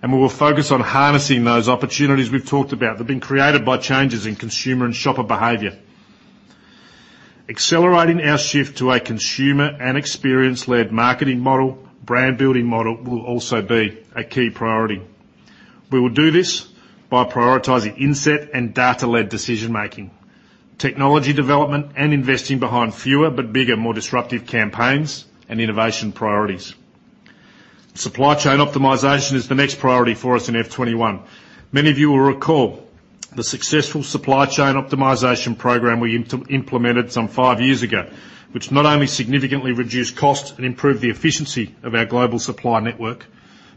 [SPEAKER 2] and we will focus on harnessing those opportunities we've talked about that have been created by changes in consumer and shopper behavior. Accelerating our shift to a consumer and experience-led marketing model, brand-building model will also be a key priority. We will do this by prioritizing insight and data-led decision-making, technology development, and investing behind fewer but bigger, more disruptive campaigns and innovation priorities. Supply chain optimization is the next priority for us in F21. Many of you will recall the successful supply chain optimization program we implemented some five years ago, which not only significantly reduced costs and improved the efficiency of our global supply network,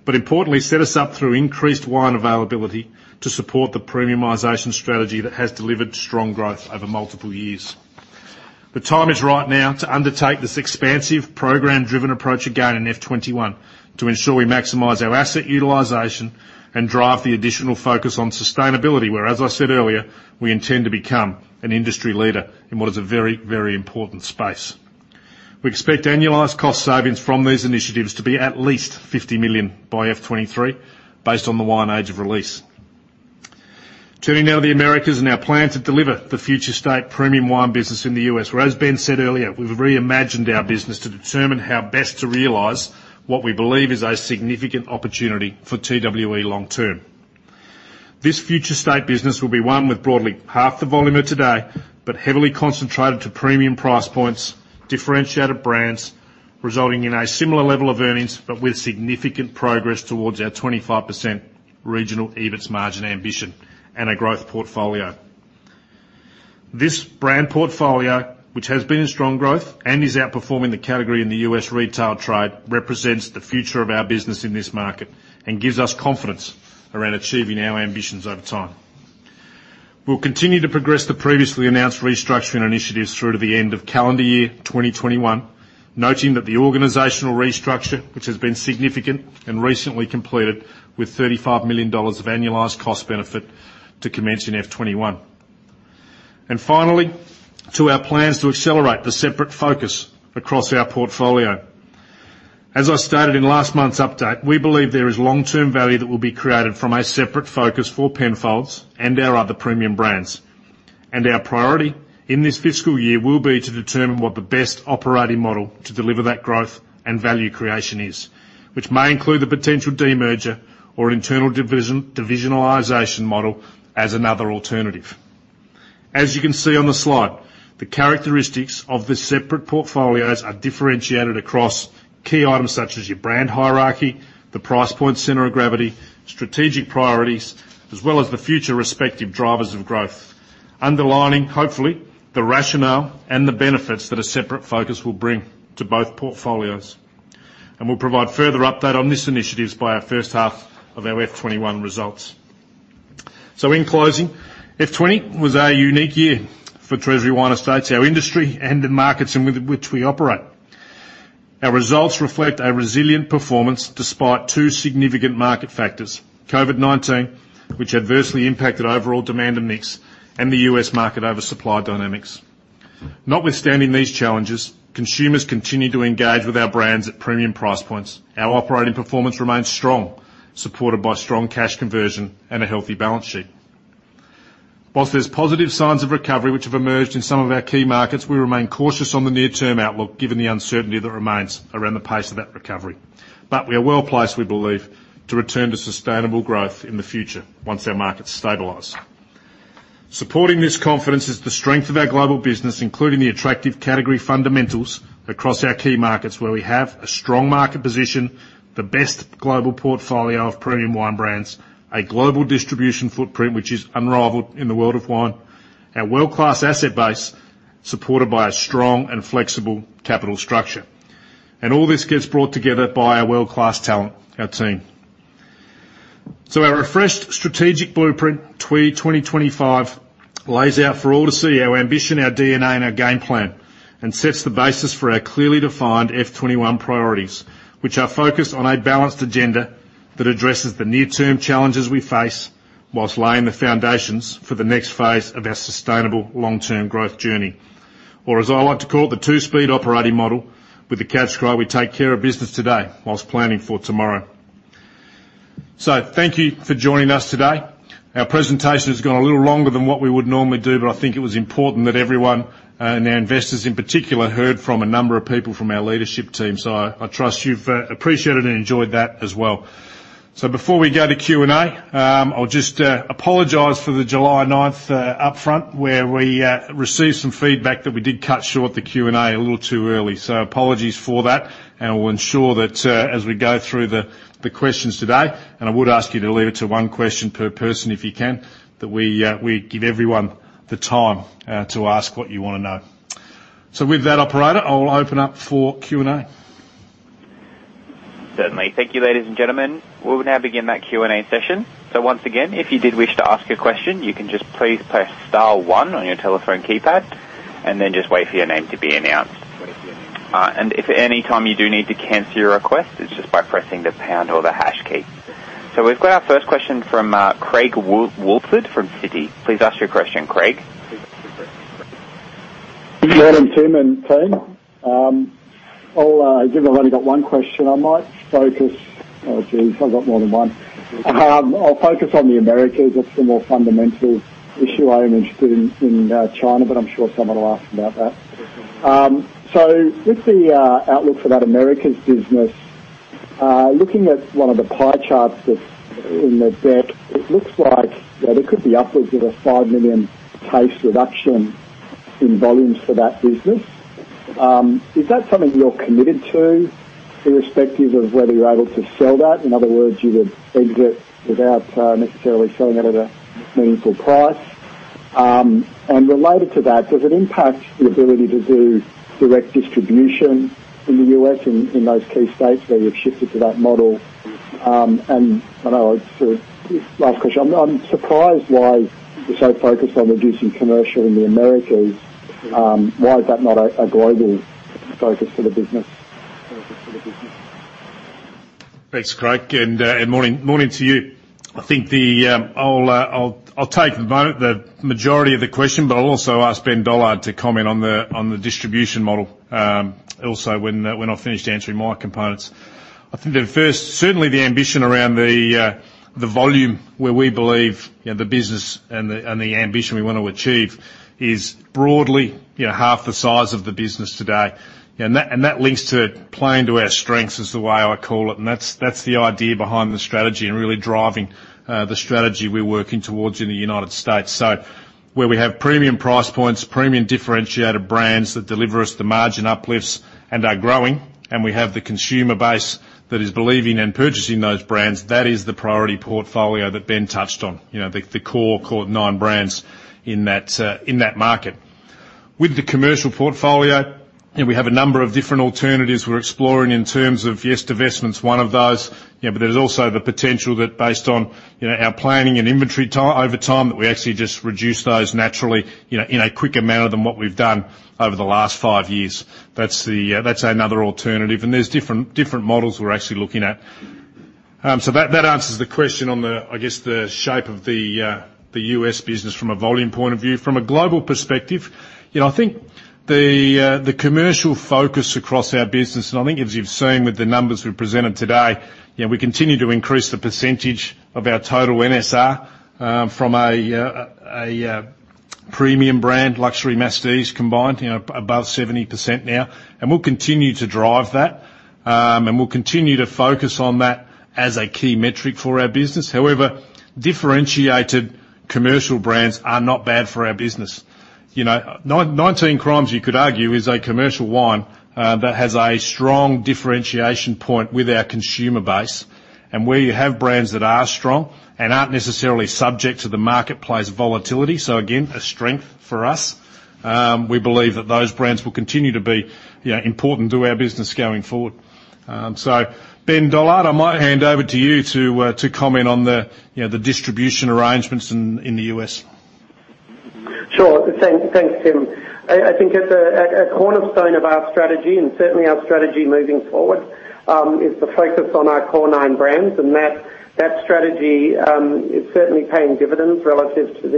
[SPEAKER 2] but importantly, set us up through increased wine availability to support the premiumization strategy that has delivered strong growth over multiple years. The time is right now to undertake this expansive program-driven approach again in F21 to ensure we maximize our asset utilization and drive the additional focus on sustainability, where, as I said earlier, we intend to become an industry leader in what is a very, very important space. We expect annualized cost savings from these initiatives to be at least 50 million by F23, based on the timing of release. Turning now to the Americas and our plan to deliver the future state premium wine business in the US, where, as Ben said earlier, we've reimagined our business to determine how best to realize what we believe is a significant opportunity for TWE long term. This future state business will be one with broadly half the volume of today, but heavily concentrated to premium price points, differentiated brands, resulting in a similar level of earnings, but with significant progress towards our 25% regional EBITS margin ambition and a growth portfolio. This brand portfolio, which has been in strong growth and is outperforming the category in the U.S. retail trade, represents the future of our business in this market and gives us confidence around achieving our ambitions over time. We'll continue to progress the previously announced restructuring initiatives through to the end of calendar year 2021, noting that the organizational restructure, which has been significant and recently completed, with AUD 35 million of annualized cost benefit to commence in F21. And finally, to our plans to accelerate the separate focus across our portfolio. As I stated in last month's update, we believe there is long-term value that will be created from a separate focus for Penfolds and our other premium brands. And our priority in this fiscal year will be to determine what the best operating model to deliver that growth and value creation is, which may include the potential demerger or internal divisionalization model as another alternative. As you can see on the slide, the characteristics of the separate portfolios are differentiated across key items such as your brand hierarchy, the price point center of gravity, strategic priorities, as well as the future respective drivers of growth, underlining, hopefully, the rationale and the benefits that a separate focus will bring to both portfolios. And we'll provide further update on this initiatives by our first half of our F21 results. So in closing, F20 was a unique year for Treasury Wine Estates, our industry and the markets in which we operate. Our results reflect a resilient performance despite two significant market factors: COVID-19, which adversely impacted overall demand and mix, and the U.S. market oversupply dynamics. Notwithstanding these challenges, consumers continue to engage with our brands at premium price points. Our operating performance remains strong, supported by strong cash conversion and a healthy balance sheet. Whilst there's positive signs of recovery which have emerged in some of our key markets, we remain cautious on the near-term outlook given the uncertainty that remains around the pace of that recovery. But we are well placed, we believe, to return to sustainable growth in the future once our markets stabilise. Supporting this confidence is the strength of our global business, including the attractive category fundamentals across our key markets where we have a strong market position, the best global portfolio of premium wine brands, a global distribution footprint which is unrivalled in the world of wine, our world-class asset base supported by a strong and flexible capital structure. And all this gets brought together by our world-class talent, our team. So our refreshed strategic blueprint TWE 2025 lays out for all to see our ambition, our DNA, and our Game Plan and sets the basis for our clearly defined F21 priorities, which are focused on a balanced agenda that addresses the near-term challenges we face while laying the foundations for the next phase of our sustainable long-term growth journey. Or as I like to call it, the two-speed operating model with the cash cow, we take care of business today while planning for tomorrow. So thank you for joining us today. Our presentation has gone a little longer than what we would normally do, but I think it was important that everyone and our investors in particular heard from a number of people from our leadership team. So I trust you've appreciated and enjoyed that as well. So before we go to Q&A, I'll just apologize for the July 9th upfront where we received some feedback that we did cut short the Q&A a little too early. So apologies for that. We'll ensure that as we go through the questions today, and I would ask you to leave it to one question per person if you can, that we give everyone the time to ask what you want to know. So with that, Operator, I'll open up for Q&A.
[SPEAKER 1] Certainly. Thank you, ladies and gentlemen. We will now begin that Q&A session. So once again, if you did wish to ask a question, you can just please press star one on your telephone keypad and then just wait for your name to be announced. And if at any time you do need to cancel your request, it's just by pressing the pound or the hash key. So we've got our first question from Craig Woolford from Citi. Please ask your question, Craig.
[SPEAKER 8] Good morning, Tim and Team. I'll give everybody one question. I might focus. Oh, geez, I've got more than one. I'll focus on the Americas. That's the more fundamental issue. I am interested in China, but I'm sure someone will ask about that. So with the outlook for that Americas business, looking at one of the pie charts that's in the deck, it looks like there could be upwards of a five million case reduction in volumes for that business. Is that something you're committed to irrespective of whether you're able to sell that? In other words, you would exit without necessarily selling it at a meaningful price. And related to that, does it impact your ability to do direct distribution in the U.S. and in those key states where you've shifted to that model? And I know it's a last question. I'm surprised why you're so focused on reducing commercial in the Americas. Why is that not a global focus for the business?
[SPEAKER 2] Thanks, Craig. And morning to you. I think I'll take the majority of the question, but I'll also ask Ben Dollard to comment on the distribution model also when I've finished answering my components. I think the first, certainly the ambition around the volume where we believe the business and the ambition we want to achieve is broadly half the size of the business today. And that links to playing to our strengths is the way I call it. And that's the idea behind the strategy and really driving the strategy we're working towards in the United States. So where we have premium price points, premium differentiated brands that deliver us the margin uplifts and are growing, and we have the consumer base that is believing and purchasing those brands, that is the priority portfolio that Ben touched on, the core nine brands in that market. With the commercial portfolio, we have a number of different alternatives we're exploring in terms of, yes, divestment's one of those, but there's also the potential that based on our planning and inventory over time that we actually just reduce those naturally in a quicker manner than what we've done over the last five years. That's another alternative. And there's different models we're actually looking at. So that answers the question on the, I guess, the shape of the U.S. business from a volume point of view. From a global perspective, I think the commercial focus across our business, and I think as you've seen with the numbers we've presented today, we continue to increase the percentage of our total NSR from a premium brand, luxury masstige combined, above 70% now. We'll continue to drive that. We'll continue to focus on that as a key metric for our business. However, differentiated commercial brands are not bad for our business. 19 Crimes, you could argue, is a commercial wine that has a strong differentiation point with our consumer base. Where you have brands that are strong and aren't necessarily subject to the marketplace volatility, so again, a strength for us, we believe that those brands will continue to be important to our business going forward. So Ben Dollard, I might hand over to you to comment on the distribution arrangements in the U.S. Sure.
[SPEAKER 5] Thanks, Tim. I think at the cornerstone of our strategy, and certainly our strategy moving forward, is the focus on our core nine brands. And that strategy is certainly paying dividends relative to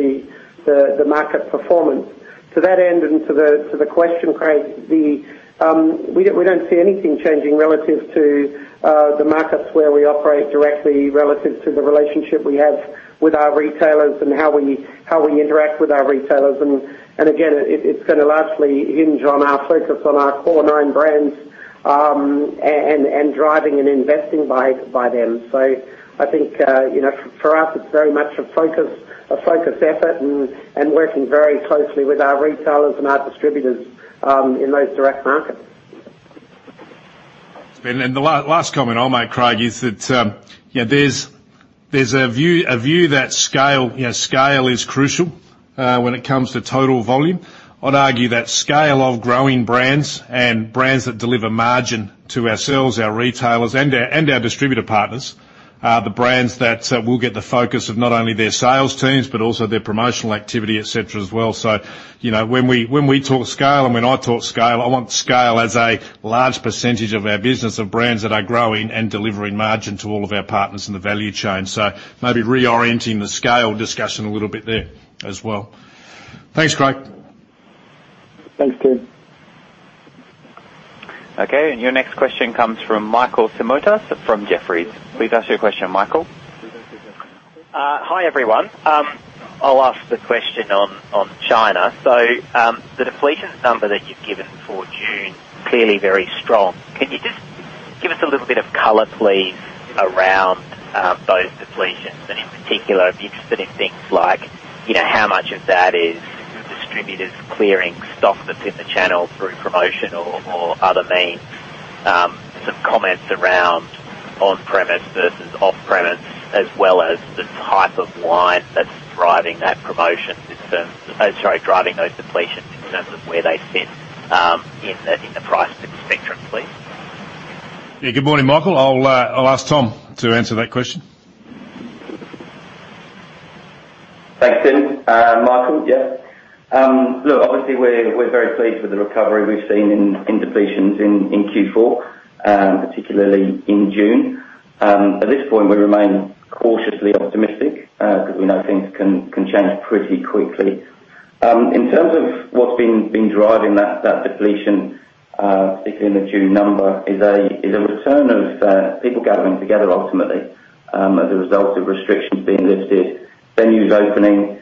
[SPEAKER 5] the market performance. To that end and to the question, Craig, we don't see anything changing relative to the markets where we operate directly, relative to the relationship we have with our retailers and how we interact with our retailers. And again, it's going to largely hinge on our focus on our core nine brands and driving and investing by them. So I think for us, it's very much a focus effort and working very closely with our retailers and our distributors in those direct markets.
[SPEAKER 2] And the last comment I'll make, Craig, is that there's a view that scale is crucial when it comes to total volume. I'd argue that scale of growing brands and brands that deliver margin to ourselves, our retailers, and our distributor partners are the brands that will get the focus of not only their sales teams but also their promotional activity, etc., as well. So when we talk scale and when I talk scale, I want scale as a large percentage of our business of brands that are growing and delivering margin to all of our partners in the value chain. So maybe reorienting the scale discussion a little bit there as well. Thanks, Craig.
[SPEAKER 8] Thanks, Tim.
[SPEAKER 1] Okay. And your next question comes from Michael Simotas from Jefferies. Please ask your question, Michael.
[SPEAKER 9] Hi, everyone. I'll ask the question on China. So the depletion number that you've given for June is clearly very strong. Can you just give us a little bit of color, please, around those depletions? And in particular, if you're interested in things like how much of that is distributors clearing stock that's in the channel through promotion or other means, some comments around on-premise versus off-premise, as well as the type of wine that's driving that promotion in terms of, sorry, driving those depletions in terms of where they fit in the price spectrum, please.
[SPEAKER 2] Yeah. Good morning, Michael. I'll ask Tom to answer that question.
[SPEAKER 4] Thanks, Tim. Michael, yes. Look, obviously, we're very pleased with the recovery we've seen in depletions in Q4, particularly in June. At this point, we remain cautiously optimistic because we know things can change pretty quickly. In terms of what's been driving that depletion, particularly in the June number, is a return of people gathering together ultimately as a result of restrictions being lifted, venues opening,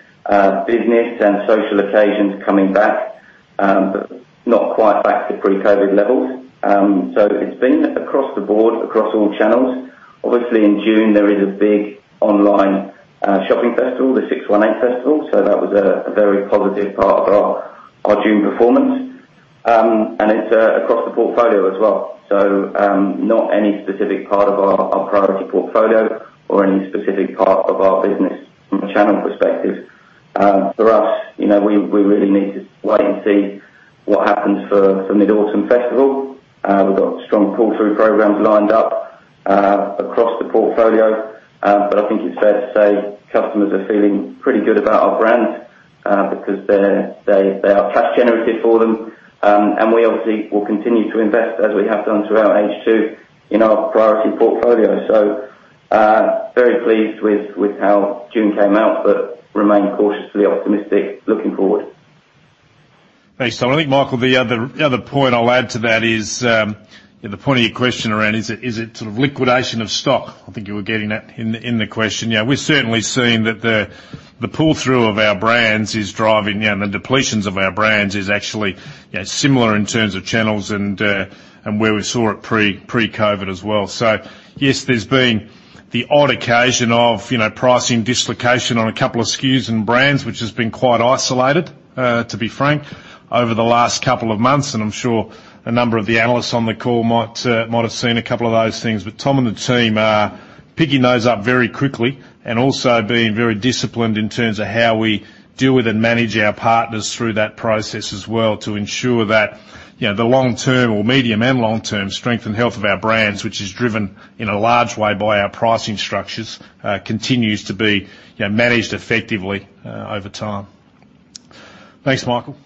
[SPEAKER 4] business and social occasions coming back, but not quite back to pre-COVID levels. It's been across the board, across all channels. Obviously, in June, there is a big online shopping festival, the 618 Festival. That was a very positive part of our June performance. And it's across the portfolio as well. Not any specific part of our priority portfolio or any specific part of our business from a channel perspective. For us, we really need to wait and see what happens for Mid-Autumn Festival. We've got strong pull-through programs lined up across the portfolio. But I think it's fair to say customers are feeling pretty good about our brands because they are cash-generative for them. And we obviously will continue to invest, as we have done throughout H2, in our priority portfolio. Very pleased with how June came out, but remain cautiously optimistic looking forward.
[SPEAKER 2] Thanks, Tom. I think, Michael, the other point I'll add to that is the point of your question around is it sort of liquidation of stock? I think you were getting that in the question. Yeah. We're certainly seeing that the pull-through of our brands is driving the depletions of our brands is actually similar in terms of channels and where we saw it pre-COVID as well. So yes, there's been the odd occasion of pricing dislocation on a couple of SKUs and brands, which has been quite isolated, to be frank, over the last couple of months. And I'm sure a number of the analysts on the call might have seen a couple of those things. But Tom and the team are picking those up very quickly and also being very disciplined in terms of how we deal with and manage our partners through that process as well to ensure that the long-term or medium and long-term strength and health of our brands, which is driven in a large way by our pricing structures, continues to be managed effectively over time. Thanks, Michael.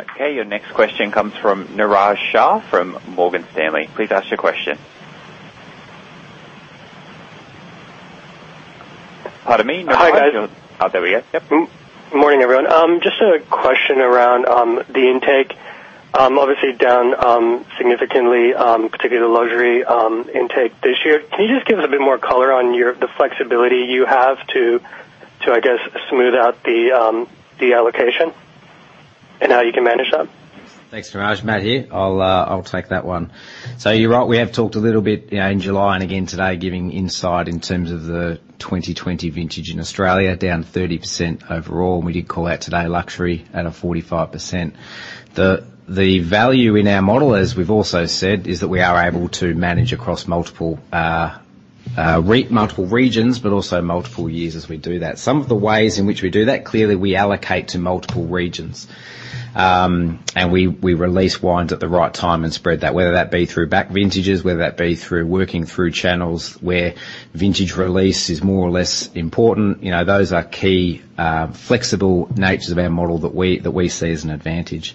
[SPEAKER 1] Okay. Your next question comes from Niraj Shah from Morgan Stanley. Please ask your question. Pardon me. Niraj? Oh, there we go.
[SPEAKER 10] Yep. Good morning, everyone. Just a question around the intake. Obviously, down significantly, particularly the luxury intake this year. Can you just give us a bit more color on the flexibility you have to, I guess, smooth out the allocation and how you can manage that?
[SPEAKER 3] Thanks, Niraj. Matt here. I'll take that one. So you're right. We have talked a little bit in July and again today giving insight in terms of the 2020 vintage in Australia, down 30% overall. We did call out today luxury at a 45%. The value in our model, as we've also said, is that we are able to manage across multiple regions, but also multiple years as we do that. Some of the ways in which we do that, clearly, we allocate to multiple regions, and we release wines at the right time and spread that, whether that be through back vintages, whether that be through working through channels where vintage release is more or less important. Those are key flexible natures of our model that we see as an advantage.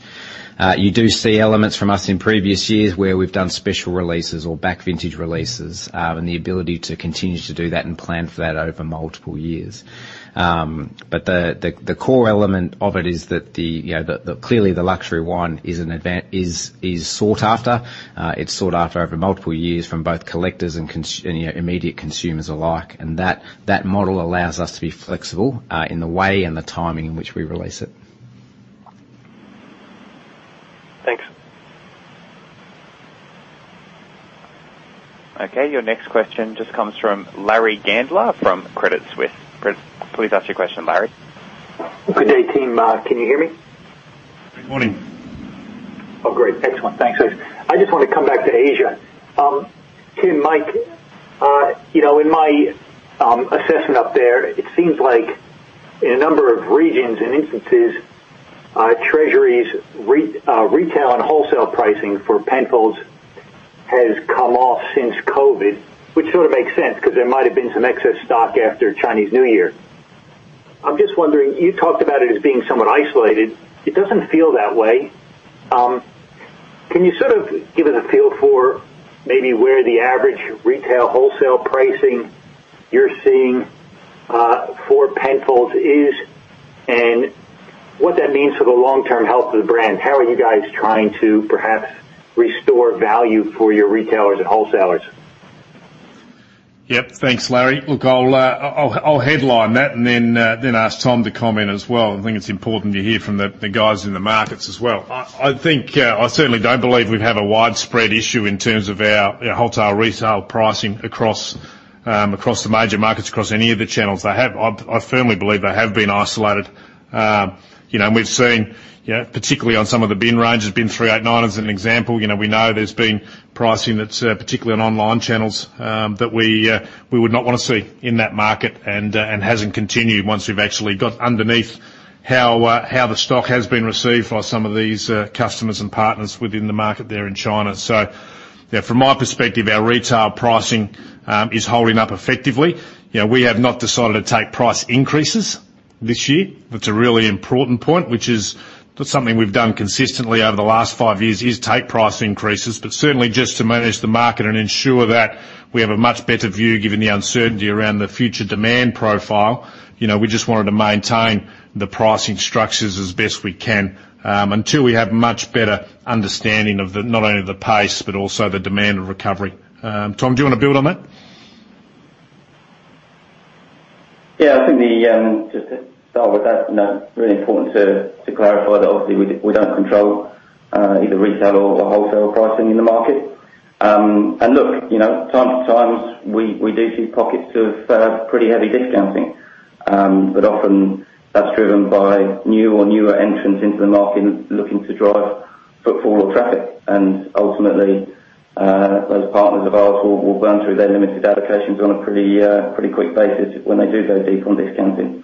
[SPEAKER 3] You do see elements from us in previous years where we've done special releases or back vintage releases and the ability to continue to do that and plan for that over multiple years. But the core element of it is that clearly the luxury wine is sought after. It's sought after over multiple years from both collectors and immediate consumers alike, and that model allows us to be flexible in the way and the timing in which we release it.
[SPEAKER 10] Thanks.
[SPEAKER 1] Okay. Your next question just comes from Larry Gandler from Credit Suisse. Please ask your question, Larry.
[SPEAKER 11] Good day, Tim. Can you hear me?
[SPEAKER 2] Good morning.
[SPEAKER 11] Oh, great. Excellent. Thanks, Liz. I just want to come back to Asia. Tim, Matt, in my assessment up there, it seems like in a number of regions and instances, Treasury's retail and wholesale pricing for Penfolds has come off since COVID, which sort of makes sense because there might have been some excess stock after Chinese New Year. I'm just wondering, you talked about it as being somewhat isolated. It doesn't feel that way. Can you sort of give us a feel for maybe where the average retail wholesale pricing you're seeing for Penfolds is and what that means for the long-term health of the brand? How are you guys trying to perhaps restore value for your retailers and wholesalers?
[SPEAKER 2] Yep. Thanks, Larry. Look, I'll headline that and then ask Tom to comment as well. I think it's important to hear from the guys in the markets as well. I certainly don't believe we've had a widespread issue in terms of our hotel resale pricing across the major markets, across any of the channels they have. I firmly believe they have been isolated, and we've seen, particularly on some of the bin ranges, Bin 389 as an example. We know there's been pricing that's particularly on online channels that we would not want to see in that market and hasn't continued once we've actually got underneath how the stock has been received by some of these customers and partners within the market there in China, so from my perspective, our retail pricing is holding up effectively. We have not decided to take price increases this year. That's a really important point, which is something we've done consistently over the last five years, is take price increases. But certainly, just to manage the market and ensure that we have a much better view given the uncertainty around the future demand profile, we just wanted to maintain the pricing structures as best we can until we have much better understanding of not only the pace but also the demand and recovery. Tom, do you want to build on that?
[SPEAKER 4] Yeah. I think to start with that, really important to clarify that obviously we don't control either retail or wholesale pricing in the market. And look, from time to time, we do see pockets of pretty heavy discounting. But often, that's driven by new or newer entrants into the market looking to drive footfall or traffic. And ultimately, those partners of ours will burn through their limited allocations on a pretty quick basis when they do go deep on discounting.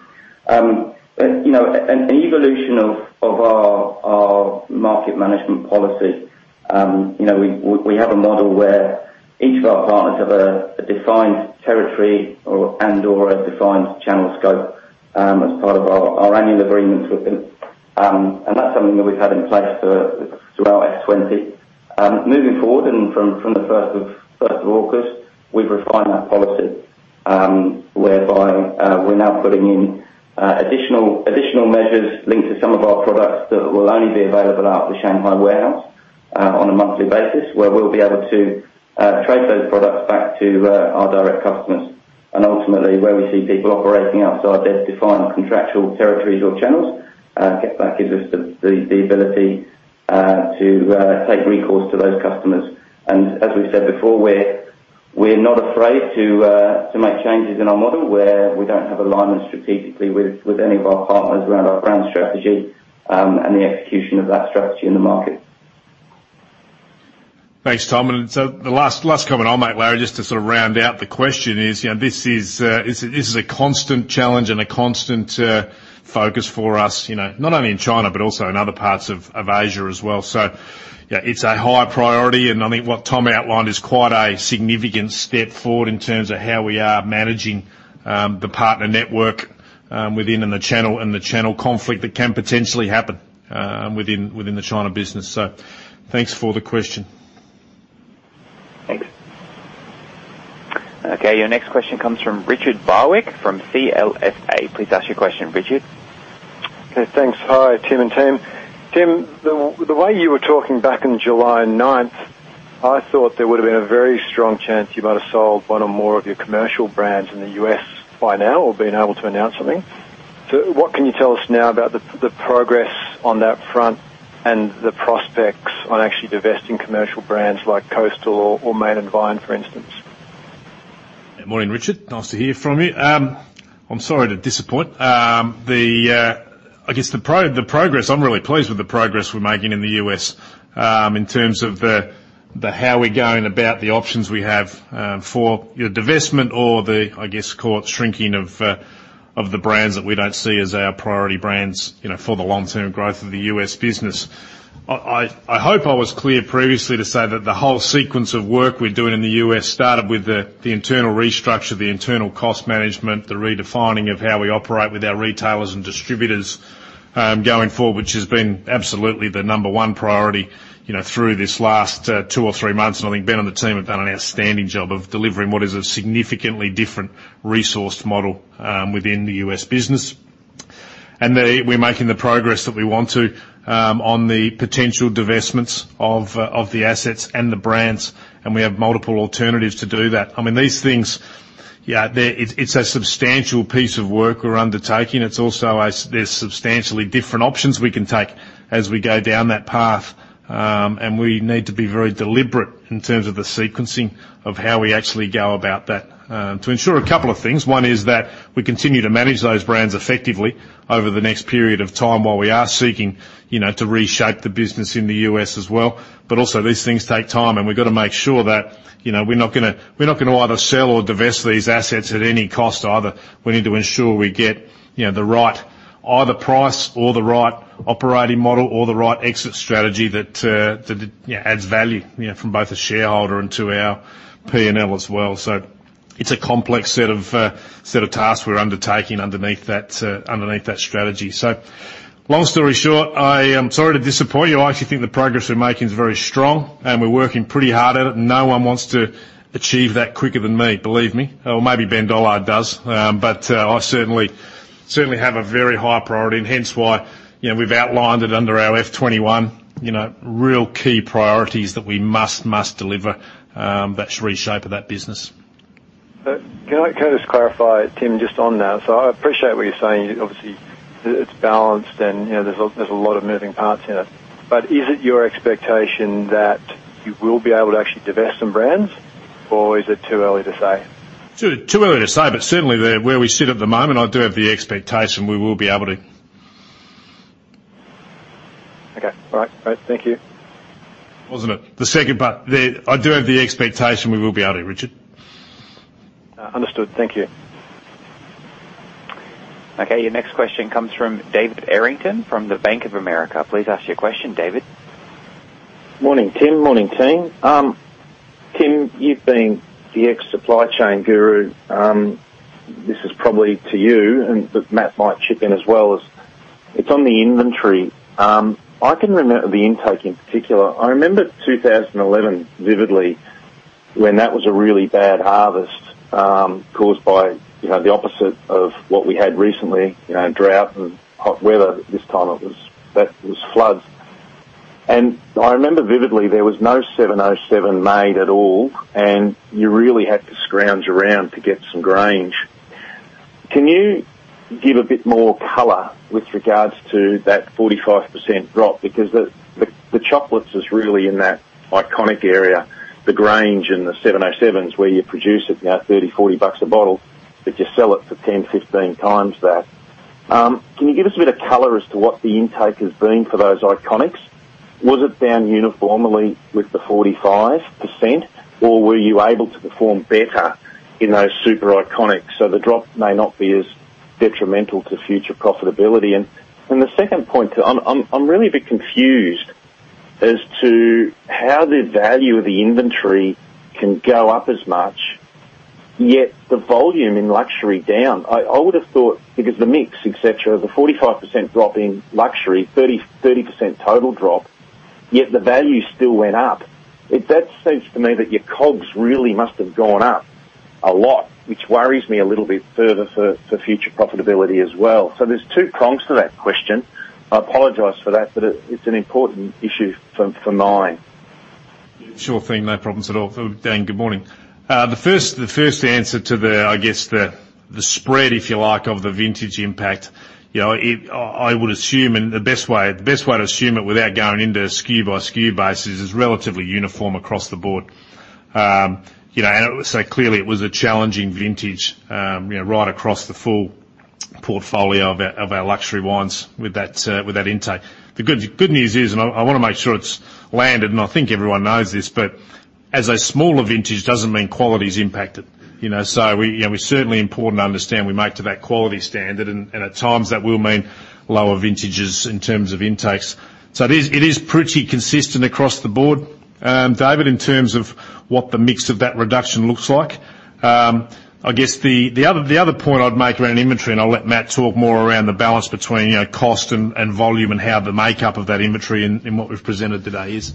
[SPEAKER 4] an evolution of our market management policy, we have a model where each of our partners have a defined territory and/or a defined channel scope as part of our annual agreements with them, and that's something that we've had in place throughout F20. Moving forward, and from the 1st of August, we've refined that policy whereby we're now putting in additional measures linked to some of our products that will only be available out of the Shanghai warehouse on a monthly basis where we'll be able to trade those products back to our direct customers, and ultimately, where we see people operating outside their defined contractual territories or channels, that gives us the ability to take recourse to those customers. As we've said before, we're not afraid to make changes in our model where we don't have alignment strategically with any of our partners around our brand strategy and the execution of that strategy in the market.
[SPEAKER 2] Thanks, Tom. And so the last comment I'll make, Larry, just to sort of round out the question is this is a constant challenge and a constant focus for us, not only in China but also in other parts of Asia as well. So it's a high priority. And I think what Tom outlined is quite a significant step forward in terms of how we are managing the partner network within and the channel conflict that can potentially happen within the China business. So thanks for the question.
[SPEAKER 11] Thanks.
[SPEAKER 1] Okay. Your next question comes from Richard Barwick from CLSA. Please ask your question, Richard. Okay.
[SPEAKER 12] Thanks. Hi, Tim and Tim. Tim, the way you were talking back on July 9th, I thought there would have been a very strong chance you might have sold one or more of your commercial brands in the US by now or been able to announce something. So what can you tell us now about the progress on that front and the prospects on actually divesting commercial brands like Coastal or Main & Vine, for instance?
[SPEAKER 2] Good morning, Richard. Nice to hear from you. I'm sorry to disappoint. I guess the progress, I'm really pleased with the progress we're making in the US in terms of how we're going about the options we have for either divestment or the, I guess, sort of shrinking of the brands that we don't see as our priority brands for the long-term growth of the US business. I hope I was clear previously to say that the whole sequence of work we're doing in the U.S. started with the internal restructure, the internal cost management, the redefining of how we operate with our retailers and distributors going forward, which has been absolutely the number one priority through this last two or three months. And I think Ben and the team have done an outstanding job of delivering what is a significantly different resourced model within the U.S. business. And we're making the progress that we want to on the potential divestments of the assets and the brands. And we have multiple alternatives to do that. I mean, these things, it's a substantial piece of work we're undertaking. There's substantially different options we can take as we go down that path. And we need to be very deliberate in terms of the sequencing of how we actually go about that to ensure a couple of things. One is that we continue to manage those brands effectively over the next period of time while we are seeking to reshape the business in the U.S. as well. But also, these things take time. And we've got to make sure that we're not going to either sell or divest these assets at any cost either. We need to ensure we get the right either price or the right operating model or the right exit strategy that adds value from both a shareholder and to our P&L as well. So it's a complex set of tasks we're undertaking underneath that strategy. So long story short, I am sorry to disappoint you. I actually think the progress we're making is very strong. We're working pretty hard at it. No one wants to achieve that quicker than me, believe me. Or maybe Ben Dollard does. But I certainly have a very high priority. Hence why we've outlined it under our F21 real key priorities that we must, must deliver that shape of that business.
[SPEAKER 12] Can I just clarify, Tim, just on that? So I appreciate what you're saying. Obviously, it's balanced and there's a lot of moving parts in it. But is it your expectation that you will be able to actually divest some brands? Or is it too early to say?
[SPEAKER 2] It's too early to say. But certainly, where we sit at the moment, I do have the expectation we will be able to.
[SPEAKER 12] Okay. All right. Great. Thank you.
[SPEAKER 2] Wasn't it the second part? I do have the expectation we will be able to, Richard.
[SPEAKER 12] Understood. Thank you.
[SPEAKER 1] Okay. Your next question comes from David Errington from the Bank of America. Please ask your question, David.
[SPEAKER 13] Morning, Tim. Morning, team. Tim, you've been the ex-supply chain guru. This is probably to you, but Matt might chip in as well. It's on the inventory. I can remember the intake in particular. I remember 2011 vividly when that was a really bad harvest caused by the opposite of what we had recently, drought and hot weather. This time, it was floods. And I remember vividly there was no 707 made at all. And you really had to scrounge around to get some Grange. Can you give a bit more color with regards to that 45% drop? Because the challenge is really in that iconic area, the Grange in the 707s where you produce it now 30, 40 bucks a bottle, but you sell it for 10, 15 times that. Can you give us a bit of color as to what the intake has been for those iconics? Was it down uniformly with the 45%? Or were you able to perform better in those super iconics? So the drop may not be as detrimental to future profitability. And the second point, I'm really a bit confused as to how the value of the inventory can go up as much, yet the volume in luxury down. I would have thought because the mix, etc., the 45% drop in luxury, 30% total drop, yet the value still went up. That says to me that your COGS really must have gone up a lot, which worries me a little bit further for future profitability as well. So there's two prongs to that question. I apologize for that, but it's an important issue of mine.
[SPEAKER 2] Sure thing. No problems at all. Dan, good morning. The first answer to the, I guess, the spread, if you like, of the vintage impact, I would assume and the best way to assume it without going into SKU by SKU basis is relatively uniform across the board. And so clearly, it was a challenging vintage right across the full portfolio of our luxury wines with that intake. The good news is, and I want to make sure it's landed, and I think everyone knows this, but as a smaller vintage doesn't mean quality is impacted. So it's certainly important to understand we make to that quality standard. And at times, that will mean lower vintages in terms of intakes. So it is pretty consistent across the board, David, in terms of what the mix of that reduction looks like. I guess the other point I'd make around inventory, and I'll let Matt talk more around the balance between cost and volume and how the makeup of that inventory in what we've presented today is.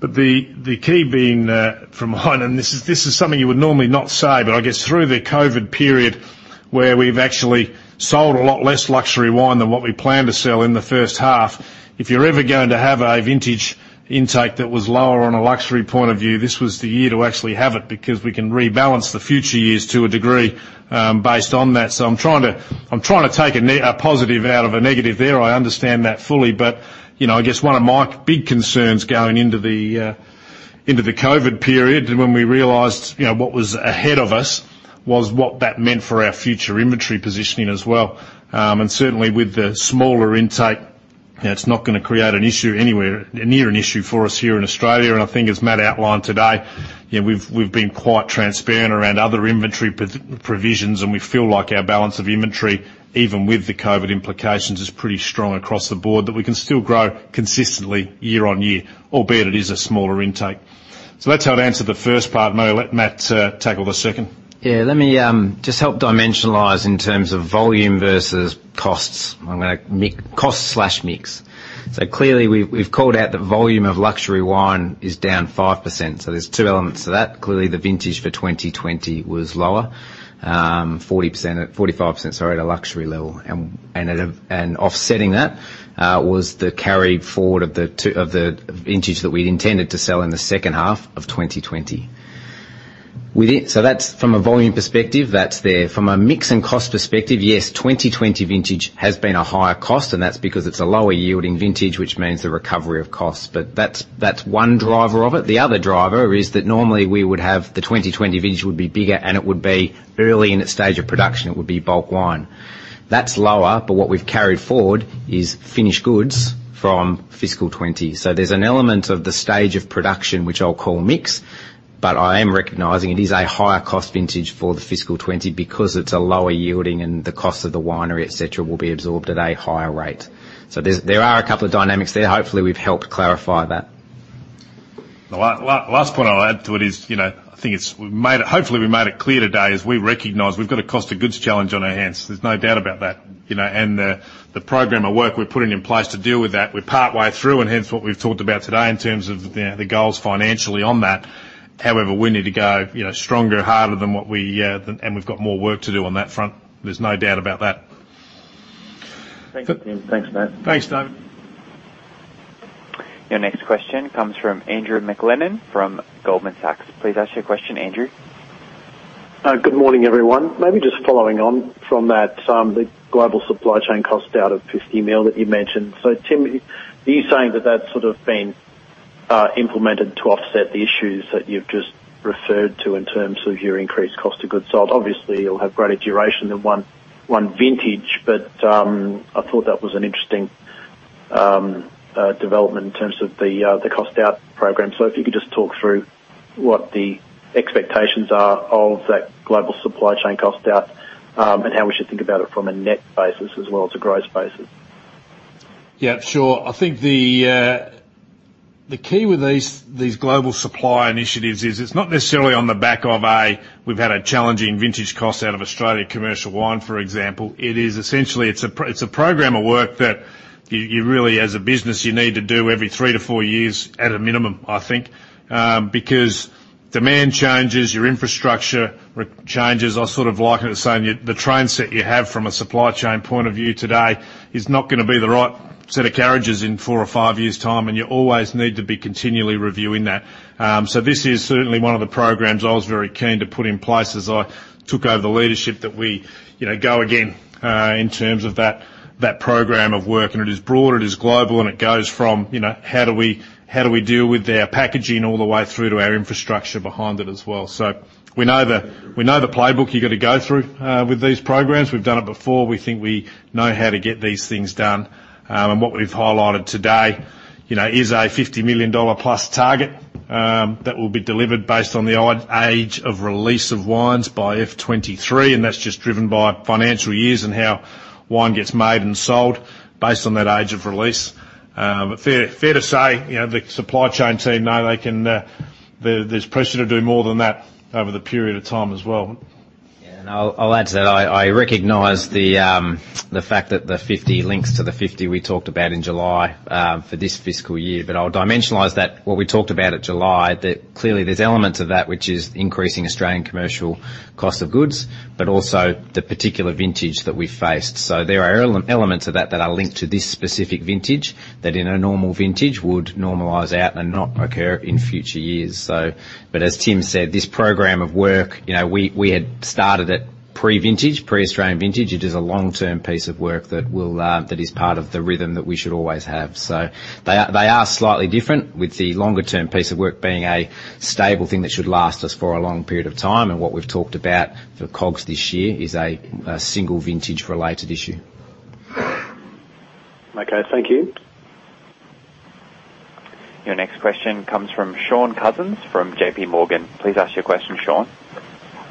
[SPEAKER 2] But the key being from mine, and this is something you would normally not say, but I guess through the COVID period where we've actually sold a lot less luxury wine than what we planned to sell in the first half, if you're ever going to have a vintage intake that was lower on a luxury point of view, this was the year to actually have it because we can rebalance the future years to a degree based on that. So I'm trying to take a positive out of a negative there. I understand that fully. But I guess one of my big concerns going into the COVID period when we realized what was ahead of us was what that meant for our future inventory positioning as well. And certainly, with the smaller intake, it's not going to create near an issue for us here in Australia. And I think as Matt outlined today, we've been quite transparent around other inventory provisions. And we feel like our balance of inventory, even with the COVID implications, is pretty strong across the board, that we can still grow consistently year on year, albeit it is a smaller intake. So that's how I'd answer the first part. May I let Matt tackle the second?
[SPEAKER 3] Yeah. Let me just help dimensionalize in terms of volume versus costs. I'm going to mix cost/mix. So clearly, we've called out that volume of luxury wine is down 5%. There's two elements to that. Clearly, the vintage for 2020 was lower, 45%. Sorry, at a luxury level. Offsetting that was the carry forward of the vintage that we'd intended to sell in the second half of 2020. From a volume perspective, that's there. From a mix and cost perspective, yes, 2020 vintage has been a higher cost. That's because it's a lower-yielding vintage, which means the recovery of costs. That's one driver of it. The other driver is that normally we would have the 2020 vintage be bigger, and it would be early in its stage of production. It would be bulk wine. That's lower. What we've carried forward is finished goods from fiscal 2020. There's an element of the stage of production, which I'll call mix. I am recognizing it is a higher cost vintage for the fiscal 2020 because it's a lower-yielding, and the cost of the winery, etc., will be absorbed at a higher rate. So there are a couple of dynamics there. Hopefully, we've helped clarify that.
[SPEAKER 2] The last point I'll add to it is I think it's, hopefully, we made it clear today as we recognize we've got a cost of goods challenge on our hands. There's no doubt about that. And the program of work we're putting in place to deal with that, we're partway through. And hence what we've talked about today in terms of the goals financially on that. However, we need to go stronger, harder than what we and we've got more work to do on that front. There's no doubt about that.
[SPEAKER 13] Thanks, Tim. Thanks, Matt.
[SPEAKER 2] Thanks, David.
[SPEAKER 1] Your next question comes from Andrew McLennan from Goldman Sachs. Please ask your question, Andrew.
[SPEAKER 14] Good morning, everyone. Maybe just following on from that, the global supply chain cost out of 50 million that you mentioned. So Tim, are you saying that that's sort of been implemented to offset the issues that you've just referred to in terms of your increased cost of goods sold? Obviously, it'll have greater duration than one vintage. But I thought that was an interesting development in terms of the cost-out program. So if you could just talk through what the expectations are of that global supply chain cost-out and how we should think about it from a net basis as well as a gross basis.
[SPEAKER 2] Yeah. Sure. I think the key with these global supply initiatives is it's not necessarily on the back of a we've had a challenging vintage cost out of Australian commercial wine, for example. It is essentially it's a program of work that you really, as a business, you need to do every three to four years at a minimum, I think, because demand changes, your infrastructure changes. I sort of like it as saying the train set you have from a supply chain point of view today is not going to be the right set of carriages in four or five years' time, and you always need to be continually reviewing that, so this is certainly one of the programs I was very keen to put in place as I took over the leadership that we go again in terms of that program of work, and it is broad. It is global. It goes from how do we deal with their packaging all the way through to our infrastructure behind it as well. So we know the playbook you've got to go through with these programs. We've done it before. We think we know how to get these things done. And what we've highlighted today is an 50 million dollar-plus target that will be delivered based on the age of release of wines by F23. And that's just driven by financial years and how wine gets made and sold based on that age of release. But fair to say the supply chain team, no, they can, there's pressure to do more than that over the period of time as well.
[SPEAKER 3] Yeah. And I'll add to that. I recognize the fact that the 50 links to the 50 we talked about in July for this fiscal year. But I'll dimensionalize that, what we talked about at July, that clearly there's elements of that, which is increasing Australian commercial cost of goods, but also the particular vintage that we've faced. So there are elements of that that are linked to this specific vintage that in a normal vintage would normalize out and not occur in future years. But as Tim said, this program of work, we had started it pre-vintage, pre-Australian vintage. It is a long-term piece of work that is part of the rhythm that we should always have. So they are slightly different, with the longer-term piece of work being a stable thing that should last us for a long period of time. And what we've talked about for COGS this year is a single vintage-related issue.
[SPEAKER 14] Okay. Thank you.
[SPEAKER 1] Your next question comes from Sean Cousins from J.P. Morgan. Please ask your question, Sean.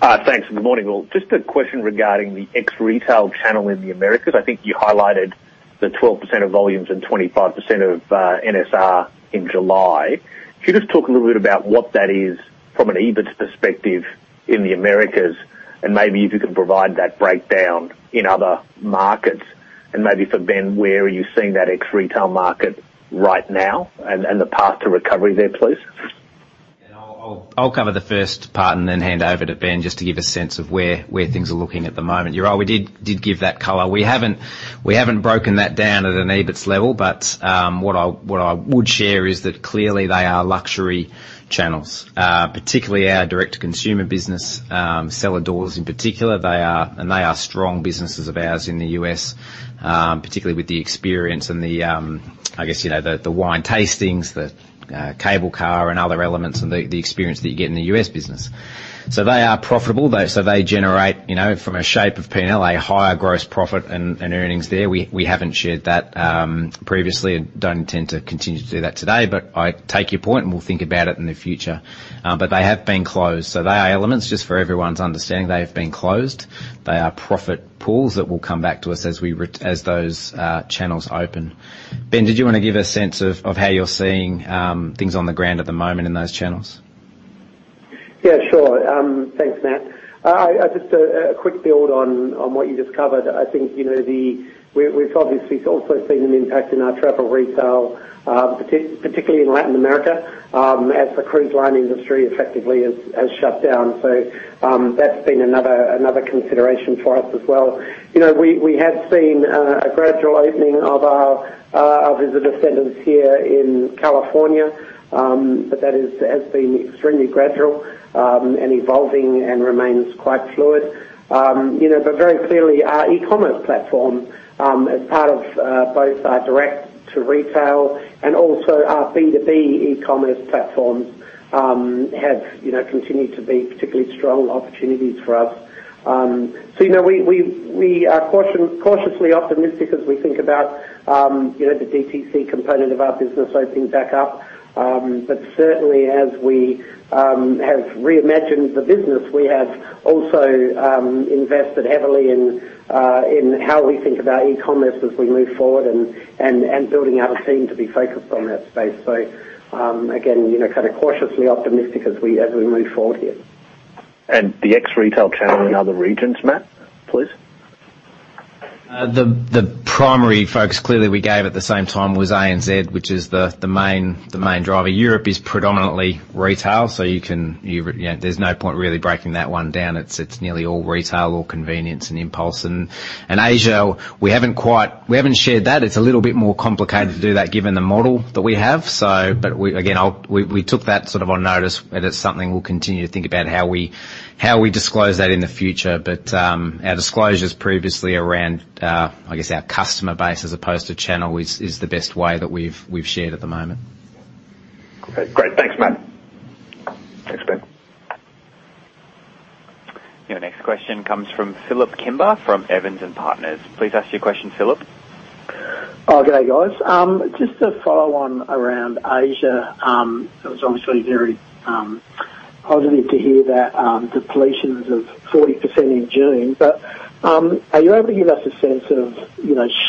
[SPEAKER 15] Thanks. Good morning, all. Just a question regarding the ex-retail channel in the Americas. I think you highlighted the 12% of volumes and 25% of NSR in July. Could you just talk a little bit about what that is from an EBIT perspective in the Americas? And maybe if you can provide that breakdown in other markets. And maybe for Ben, where are you seeing that ex-retail market right now? And the path to recovery there, please.
[SPEAKER 3] I'll cover the first part and then hand over to Ben just to give a sense of where things are looking at the moment. You're right. We did give that color. We haven't broken that down at an EBIT level. But what I would share is that clearly they are luxury channels, particularly our direct-to-consumer business, seller doors in particular. And they are strong businesses of ours in the U.S., particularly with the experience and the, I guess, the wine tastings, the cable car, and other elements, and the experience that you get in the U.S. business. So they are profitable. So they generate, from a shape of P&L, a higher gross profit and earnings there. We haven't shared that previously and don't intend to continue to do that today. But I take your point, and we'll think about it in the future. But they have been closed. So they are elements, just for everyone's understanding, they have been closed. They are profit pools that will come back to us as those channels open. Ben, did you want to give a sense of how you're seeing things on the ground at the moment in those channels?
[SPEAKER 5] Yeah. Sure. Thanks, Matt. Just a quick build on what you just covered. I think we've obviously also seen an impact in our travel retail, particularly in Latin America, as the cruise line industry effectively has shut down, so that's been another consideration for us as well. We have seen a gradual opening of our visitor centers here in California, but that has been extremely gradual and evolving and remains quite fluid, but very clearly, our e-commerce platform, as part of both our direct-to-retail and also our B2B e-commerce platforms, have continued to be particularly strong opportunities for us, so we are cautiously optimistic as we think about the DTC component of our business opening back up, but certainly, as we have reimagined the business, we have also invested heavily in how we think about e-commerce as we move forward and building out a team to be focused on that space, so again, kind of cautiously optimistic as we move forward here.
[SPEAKER 15] And the ex-retail channel in other regions, Matt, please.
[SPEAKER 3] The primary focus clearly we gave at the same time was ANZ, which is the main driver. Europe is predominantly retail. So there's no point really breaking that one down. It's nearly all retail, all convenience and impulse. And Asia, we haven't shared that. It's a little bit more complicated to do that given the model that we have. But again, we took that sort of on notice. And it's something we'll continue to think about how we disclose that in the future. But our disclosures previously around, I guess, our customer base as opposed to channel is the best way that we've shared at the moment.
[SPEAKER 15] Great. Thanks, Matt. Thanks, Ben.
[SPEAKER 1] Your next question comes from Philip Kimber from Evans & Partners. Please ask your question, Philip.
[SPEAKER 16] Okay, guys. Just a follow-on around Asia. It was obviously very positive to hear that depletions of 40% in June. But are you able to give us a sense of